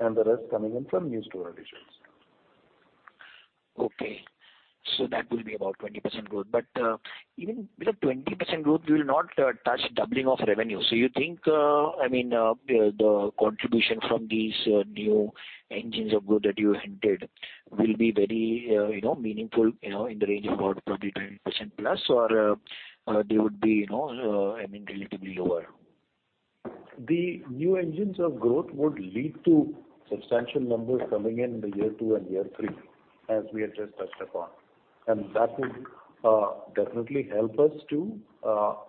the rest coming in from new store additions. Okay. That will be about 20% growth. Even with a 20% growth, we will not touch doubling of revenue. I mean, the contribution from these new engines of growth that you hinted will be very, you know, meaningful, you know, in the range of about probably 20%+ or they would be, you know, I mean, relatively lower. The new engines of growth would lead to substantial numbers coming in the year 2 and year 3, as we have just touched upon. That would definitely help us to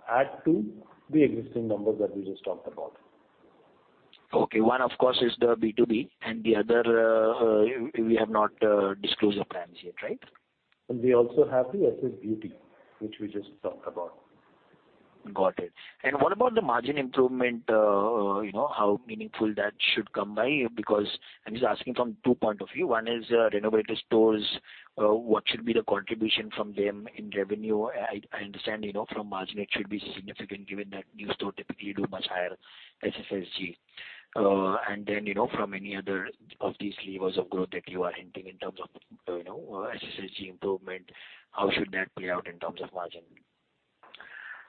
add to the existing numbers that we just talked about. Okay. One, of course, is the B2B and the other, we have not disclosed the plans yet, right? We also have the SS Beauty, which we just talked about. Got it. What about the margin improvement? You know, how meaningful that should come by? I'm just asking from 2 point of view. One is renovated stores, what should be the contribution from them in revenue? I understand, you know, from margin it should be significant given that new store typically do much higher SSSG. From any other of these levers of growth that you are hinting in terms of, you know, SSSG improvement, how should that play out in terms of margin?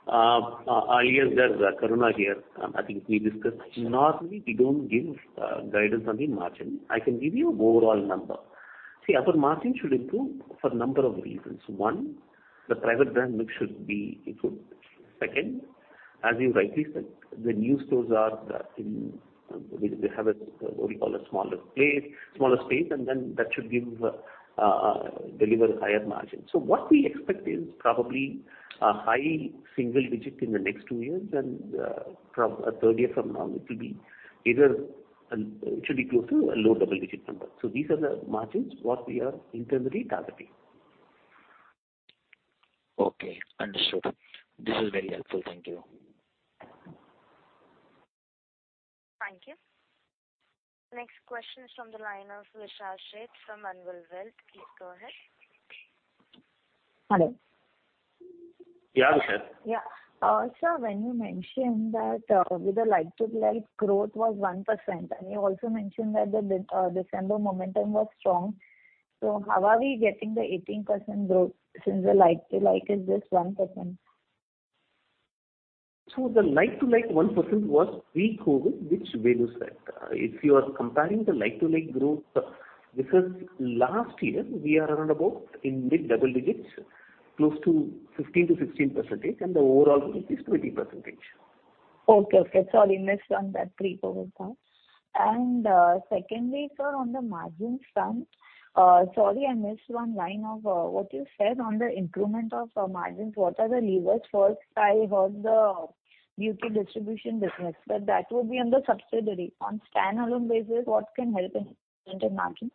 Yes, that's Karuna here. I think we discussed. Normally, we don't give guidance on the margin. I can give you overall number. See, our margin should improve for number of reasons. One, the private brand mix should be improved. Second, as you rightly said, the new stores have a, what we call a smaller space, that should deliver higher margin. What we expect is probably a high single digit in the next two years, from a third year from now, it should be close to a low double-digit number. These are the margins, what we are internally targeting. Okay, understood. This is very helpful. Thank you. Thank you. Next question is from the line of Disha Sheth from Anvil Wealth. Please go ahead. Hello. Yeah, Disha. Yeah. sir, when you mentioned that, with the like-to-like growth was 1%, and you also mentioned that the December momentum was strong. How are we getting the 18% growth since the like-to-like is just 1%? The like-to-like 1% was pre-COVID, which Venu said. If you are comparing the like-to-like growth versus last year, we are around about in mid-double digits, close to 15%-16%, and the overall growth is 20%. Okay, okay. Sorry, missed on that pre-COVID part. Secondly, sir, on the margin front, sorry, I missed one line of what you said on the improvement of margins. What are the levers? First, I heard the beauty distribution business, but that would be on the subsidiary. On standalone basis, what can help in margin?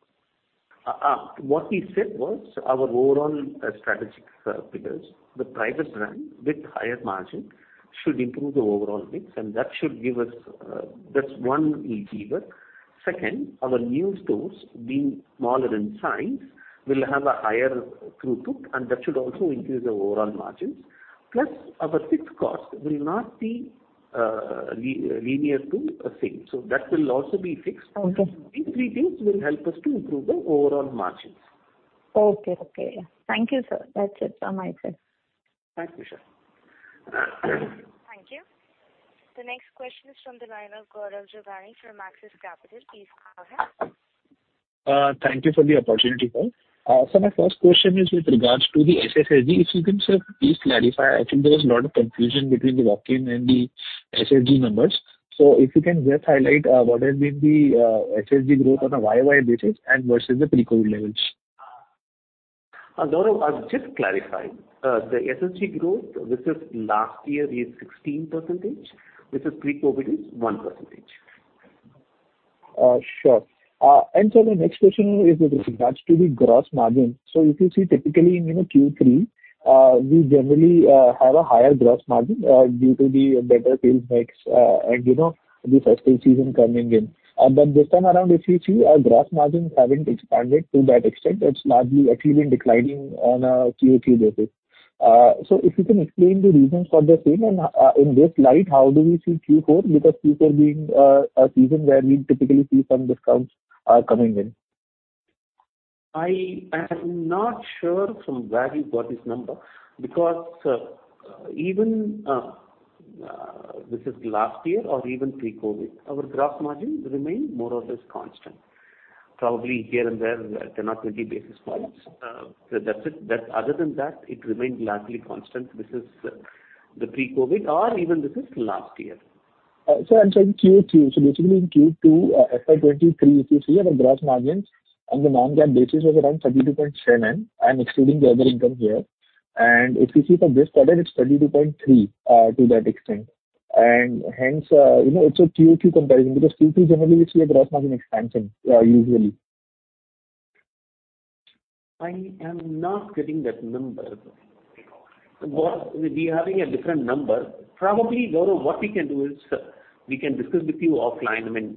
What we said was our overall strategic pillars, the private brand with higher margin should improve the overall mix, and that should give us, that's one lever. Second, our new stores being smaller in size will have a higher throughput, and that should also increase the overall margins. Plus, our fixed cost will not be linear to sale. That will also be fixed. Okay. These three things will help us to improve the overall margins. Okay. Thank you, sir. That's it from my side. Thanks, Disha. Thank you. The next question is from the line of Gaurav Jogani from Axis Capital. Please go ahead. Thank you for the opportunity, sir. My first question is with regards to the SSSG. If you can, sir, please clarify. I think there is a lot of confusion between the walk-in and the SSG numbers. If you can just highlight what has been the SSG growth on a YOY basis and versus the pre-COVID levels. Gaurav, I'll just clarify. The SSG growth versus last year is 16%, versus pre-COVID is 1%. Sure. My next question is with regards to the gross margin. If you see typically in, you know, Q3, we generally have a higher gross margin due to the better sales mix and, you know, the festival season coming in. This time around, if you see our gross margins haven't expanded to that extent. It's largely actually been declining on a QOQ basis. If you can explain the reasons for the same, and in this light, how do we see Q4? Because Q4 being a season where we typically see some discounts coming in. I am not sure from where you got this number because, even, this is last year or even pre-COVID, our gross margin remained more or less constant. Probably here and there, 10 or 20 basis points. That's it. Other than that, it remained largely constant. This is the pre-COVID or even this is last year. I'm sorry, Q2. Basically in Q2, FY23, if you see our gross margins on the non-GAAP basis was around 32.7%. I'm excluding the other income here. If you see for this quarter, it's 32.3% to that extent. Hence, you know, it's a QOQ comparison because Q2 generally we see a gross margin expansion usually. I am not getting that number. We're having a different number. Probably, Gaurav, what we can do is we can discuss with you offline. I mean.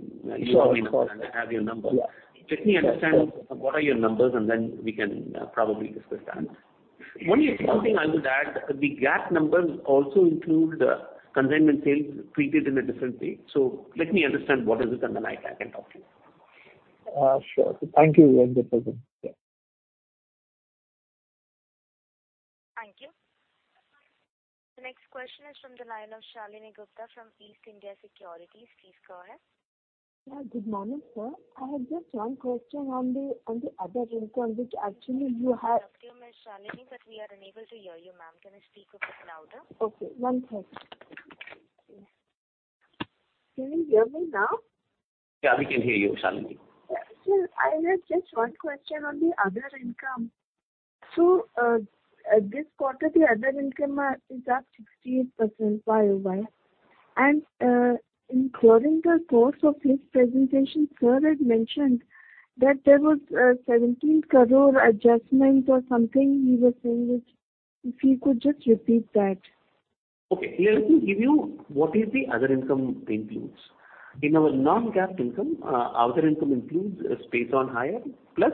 Sure, sure. You know my number, and I have your number. Yeah. Let me understand what are your numbers, and then we can probably discuss that. Only something I would add, the GAAP numbers also include consignment sales treated in a different way. Let me understand what is it, and then I can talk to you. Sure. Thank you, Venu. Yeah. Thank you. The next question is from the line of Shalini Gupta from East India Securities. Please go ahead. Yeah. Good morning, sir. I have just one question on the other income. We can hear you, Ms. Shalini, but we are unable to hear you, ma'am. Can you speak a bit louder? Okay. One sec. Can you hear me now? Yeah. We can hear you, Shalini. Sir, I have just one question on the other income. This quarter, the other income is up 68% YOY, including the course of his presentation, sir had mentioned that there was 17 crore adjustment or something he was saying, which if he could just repeat that. Okay. Let me give you what is the other income includes. In our non-GAAP income, our other income includes space on hire, plus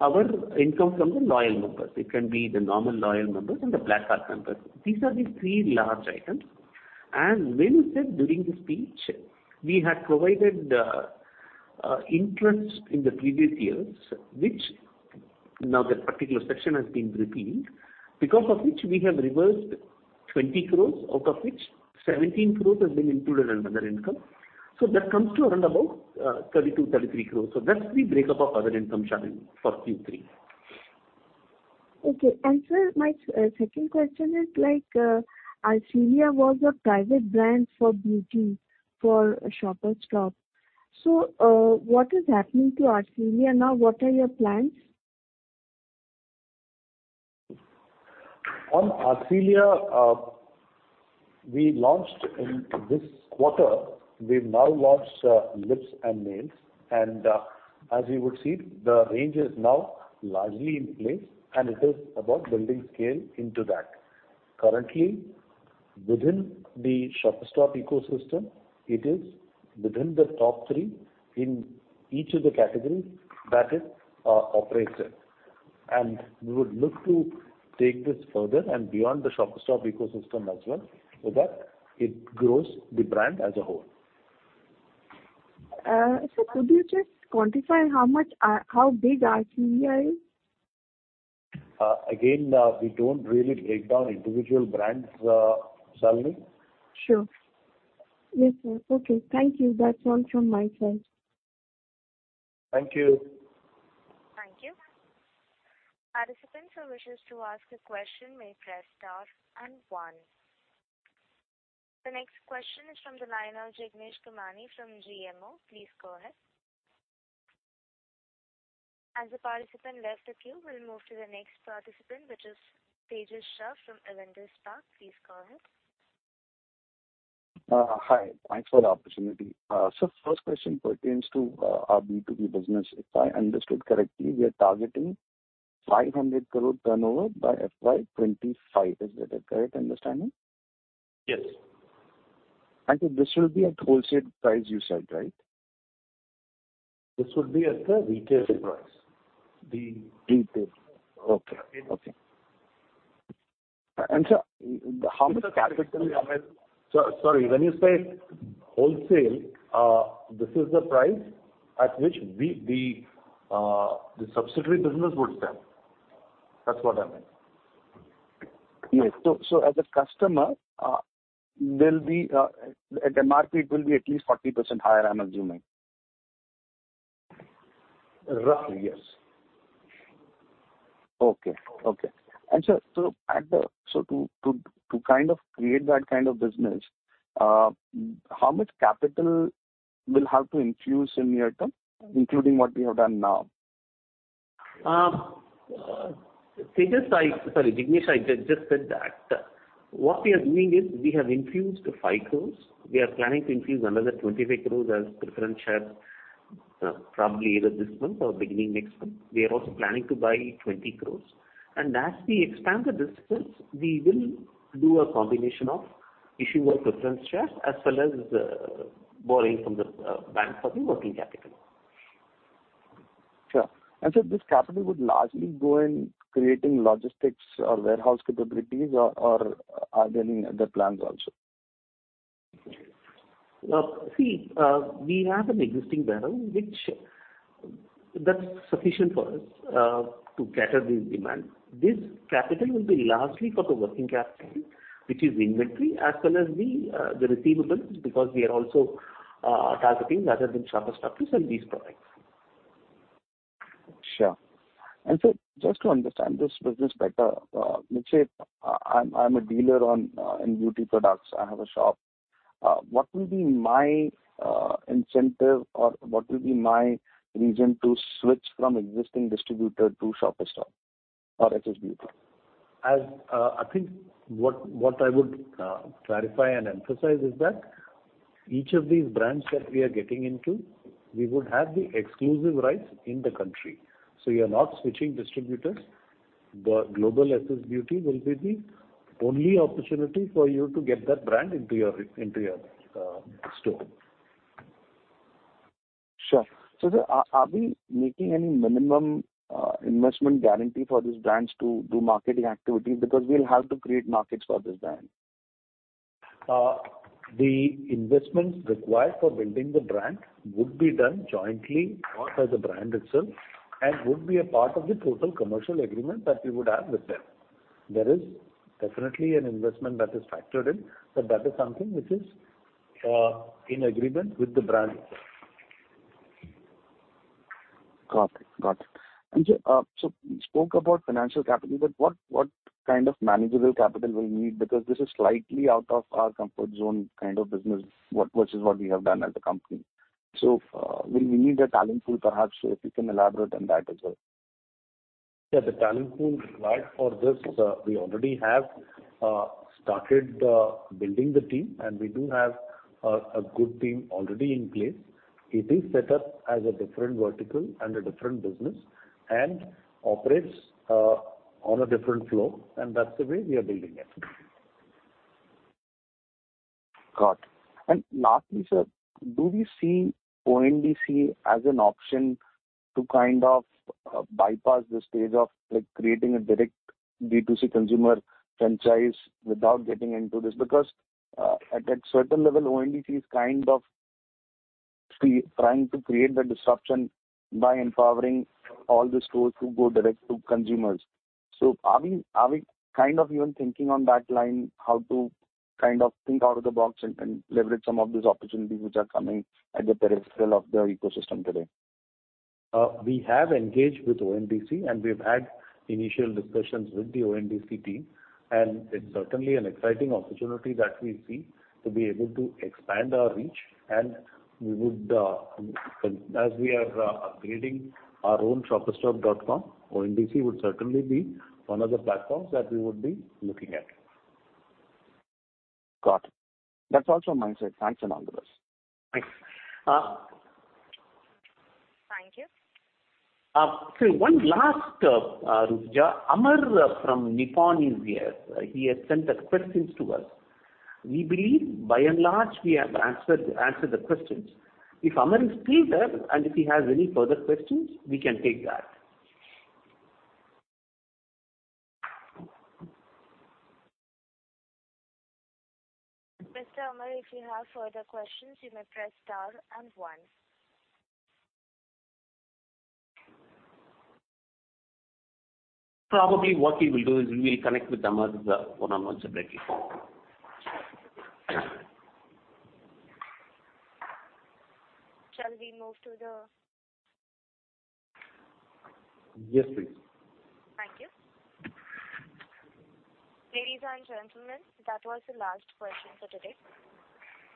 our income from the loyal members. It can be the normal loyal members and the Black Card members. These are the three large items. You said during the speech, we had provided interest in the previous years, which now that particular section has been repeating, because of which we have reversed 20 crores, out of which 17 crores has been included in other income. That comes to around about 32-33 crores. That's the breakup of other income, Shalini, for Q3. Okay. Sir, my second question is like, Arcelia was a private brand for beauty for Shoppers Stop. What is happening to Arcelia now? What are your plans? On Arcelia, we launched in this quarter, we've now launched, lips and nails, and, as you would see, the range is now largely in place, and it is about building scale into that. Currently, within the Shoppers Stop ecosystem, it is within the top three in each of the categories that it operates in. We would look to take this further and beyond the Shoppers Stop ecosystem as well, so that it grows the brand as a whole. Sir, could you just quantify how much, how big Arcelia is? Again, we don't really break down individual brands, Shalini. Sure. Yes, sir. Okay. Thank you. That's all from my side. Thank you. Thank you. Participants who wishes to ask a question may press star and one. The next question is from the line of Jignesh Kamani from GMO. Please go ahead. As the participant left the queue, we'll move to the next participant, which is Tejas Shah from Avendus Spark. Please go ahead. Hi. Thanks for the opportunity. First question pertains to our B2B business. If I understood correctly, we are targeting 500 crore turnover by FY25. Is that a correct understanding? Yes. This will be at wholesale price you said, right? This would be at the retail price. Retail. Okay. Okay. Sir, how much capital- Sorry. When you say wholesale, this is the price at which we, the subsidiary business would sell. That's what I meant. Yes. As a customer, there'll be at MRP, it will be at least 40% higher, I'm assuming. Roughly, yes. Okay. Okay. Sir, to kind of create that kind of business, how much capital we'll have to infuse in near-term, including what we have done now? Tejas, sorry, Vignesh, I just said that what we are doing is we have infused 5 crores. We are planning to infuse another 25 crores as preference shares, probably either this month or beginning next month. We are also planning to buy 20 crores. As we expand the business, we will do a combination of issuing preference shares as well as borrowing from the bank for the working capital. Sure. Sir this capital would largely go in creating logistics or warehouse capabilities or are there any other plans also? See, we have an existing warehouse which that's sufficient for us to cater the demand. This capital will be largely for the working capital, which is inventory as well as the receivables because we are also targeting other than Shoppers Stop to sell these products. Sure. Sir, just to understand this business better, let's say I'm a dealer on, in beauty products. I have a shop. What will be my incentive or what will be my reason to switch from existing distributor to Shoppers Stop or SS Beauty? As, I think what I would clarify and emphasize is that each of these brands that we are getting into, we would have the exclusive rights in the country. You are not switching distributors. The Global SS Beauty will be the only opportunity for you to get that brand into your store. Sure. Sir are we making any minimum investment guarantee for these brands to do marketing activity? Because we'll have to create markets for this brand. The investments required for building the brand would be done jointly or by the brand itself and would be a part of the total commercial agreement that we would have with them. There is definitely an investment that is factored in, but that is something which is in agreement with the brand itself. Got it. Got it. So you spoke about financial capital, but what kind of manageable capital will you need? Because this is slightly out of our comfort zone kind of business, which is what we have done as a company. Will we need a talent pool, perhaps, if you can elaborate on that as well. Yeah. The talent pool required for this, we already have started building the team, and we do have a good team already in place. It is set up as a different vertical and a different business and operates on a different floor, and that's the way we are building it. Got it. Lastly, sir, do we see ONDC as an option to kind of bypass the stage of, like, creating a direct D2C consumer franchise without getting into this? At a certain level, ONDC is kind of trying to create the disruption by empowering all the stores to go direct to consumers. Are we kind of even thinking on that line, how to kind of think out of the box and leverage some of these opportunities which are coming at the peripheral of the ecosystem today? We have engaged with ONDC. We've had initial discussions with the ONDC team. It's certainly an exciting opportunity that we see to be able to expand our reach. We would, as we are creating our own shopperstop.com, ONDC would certainly be one of the platforms that we would be looking at. Got it. That's also mindset. Thanks a million. Thanks. Thank you. One last, Rucha Amar from Nippon is here. He has sent questions to us. We believe by and large, we have answered the questions. If Amar is still there and if he has any further questions, we can take that. Mr. Amar, if you have further questions, you may press star and one. Probably what we will do is we will connect with Amar when I'm also breaking for him. Shall we move to the... Yes, please. Thank you. Ladies and gentlemen, that was the last question for today.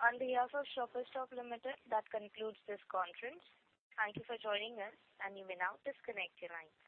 On behalf of Shoppers Stop Limited, that concludes this conference. Thank you for joining us, and you may now disconnect your lines.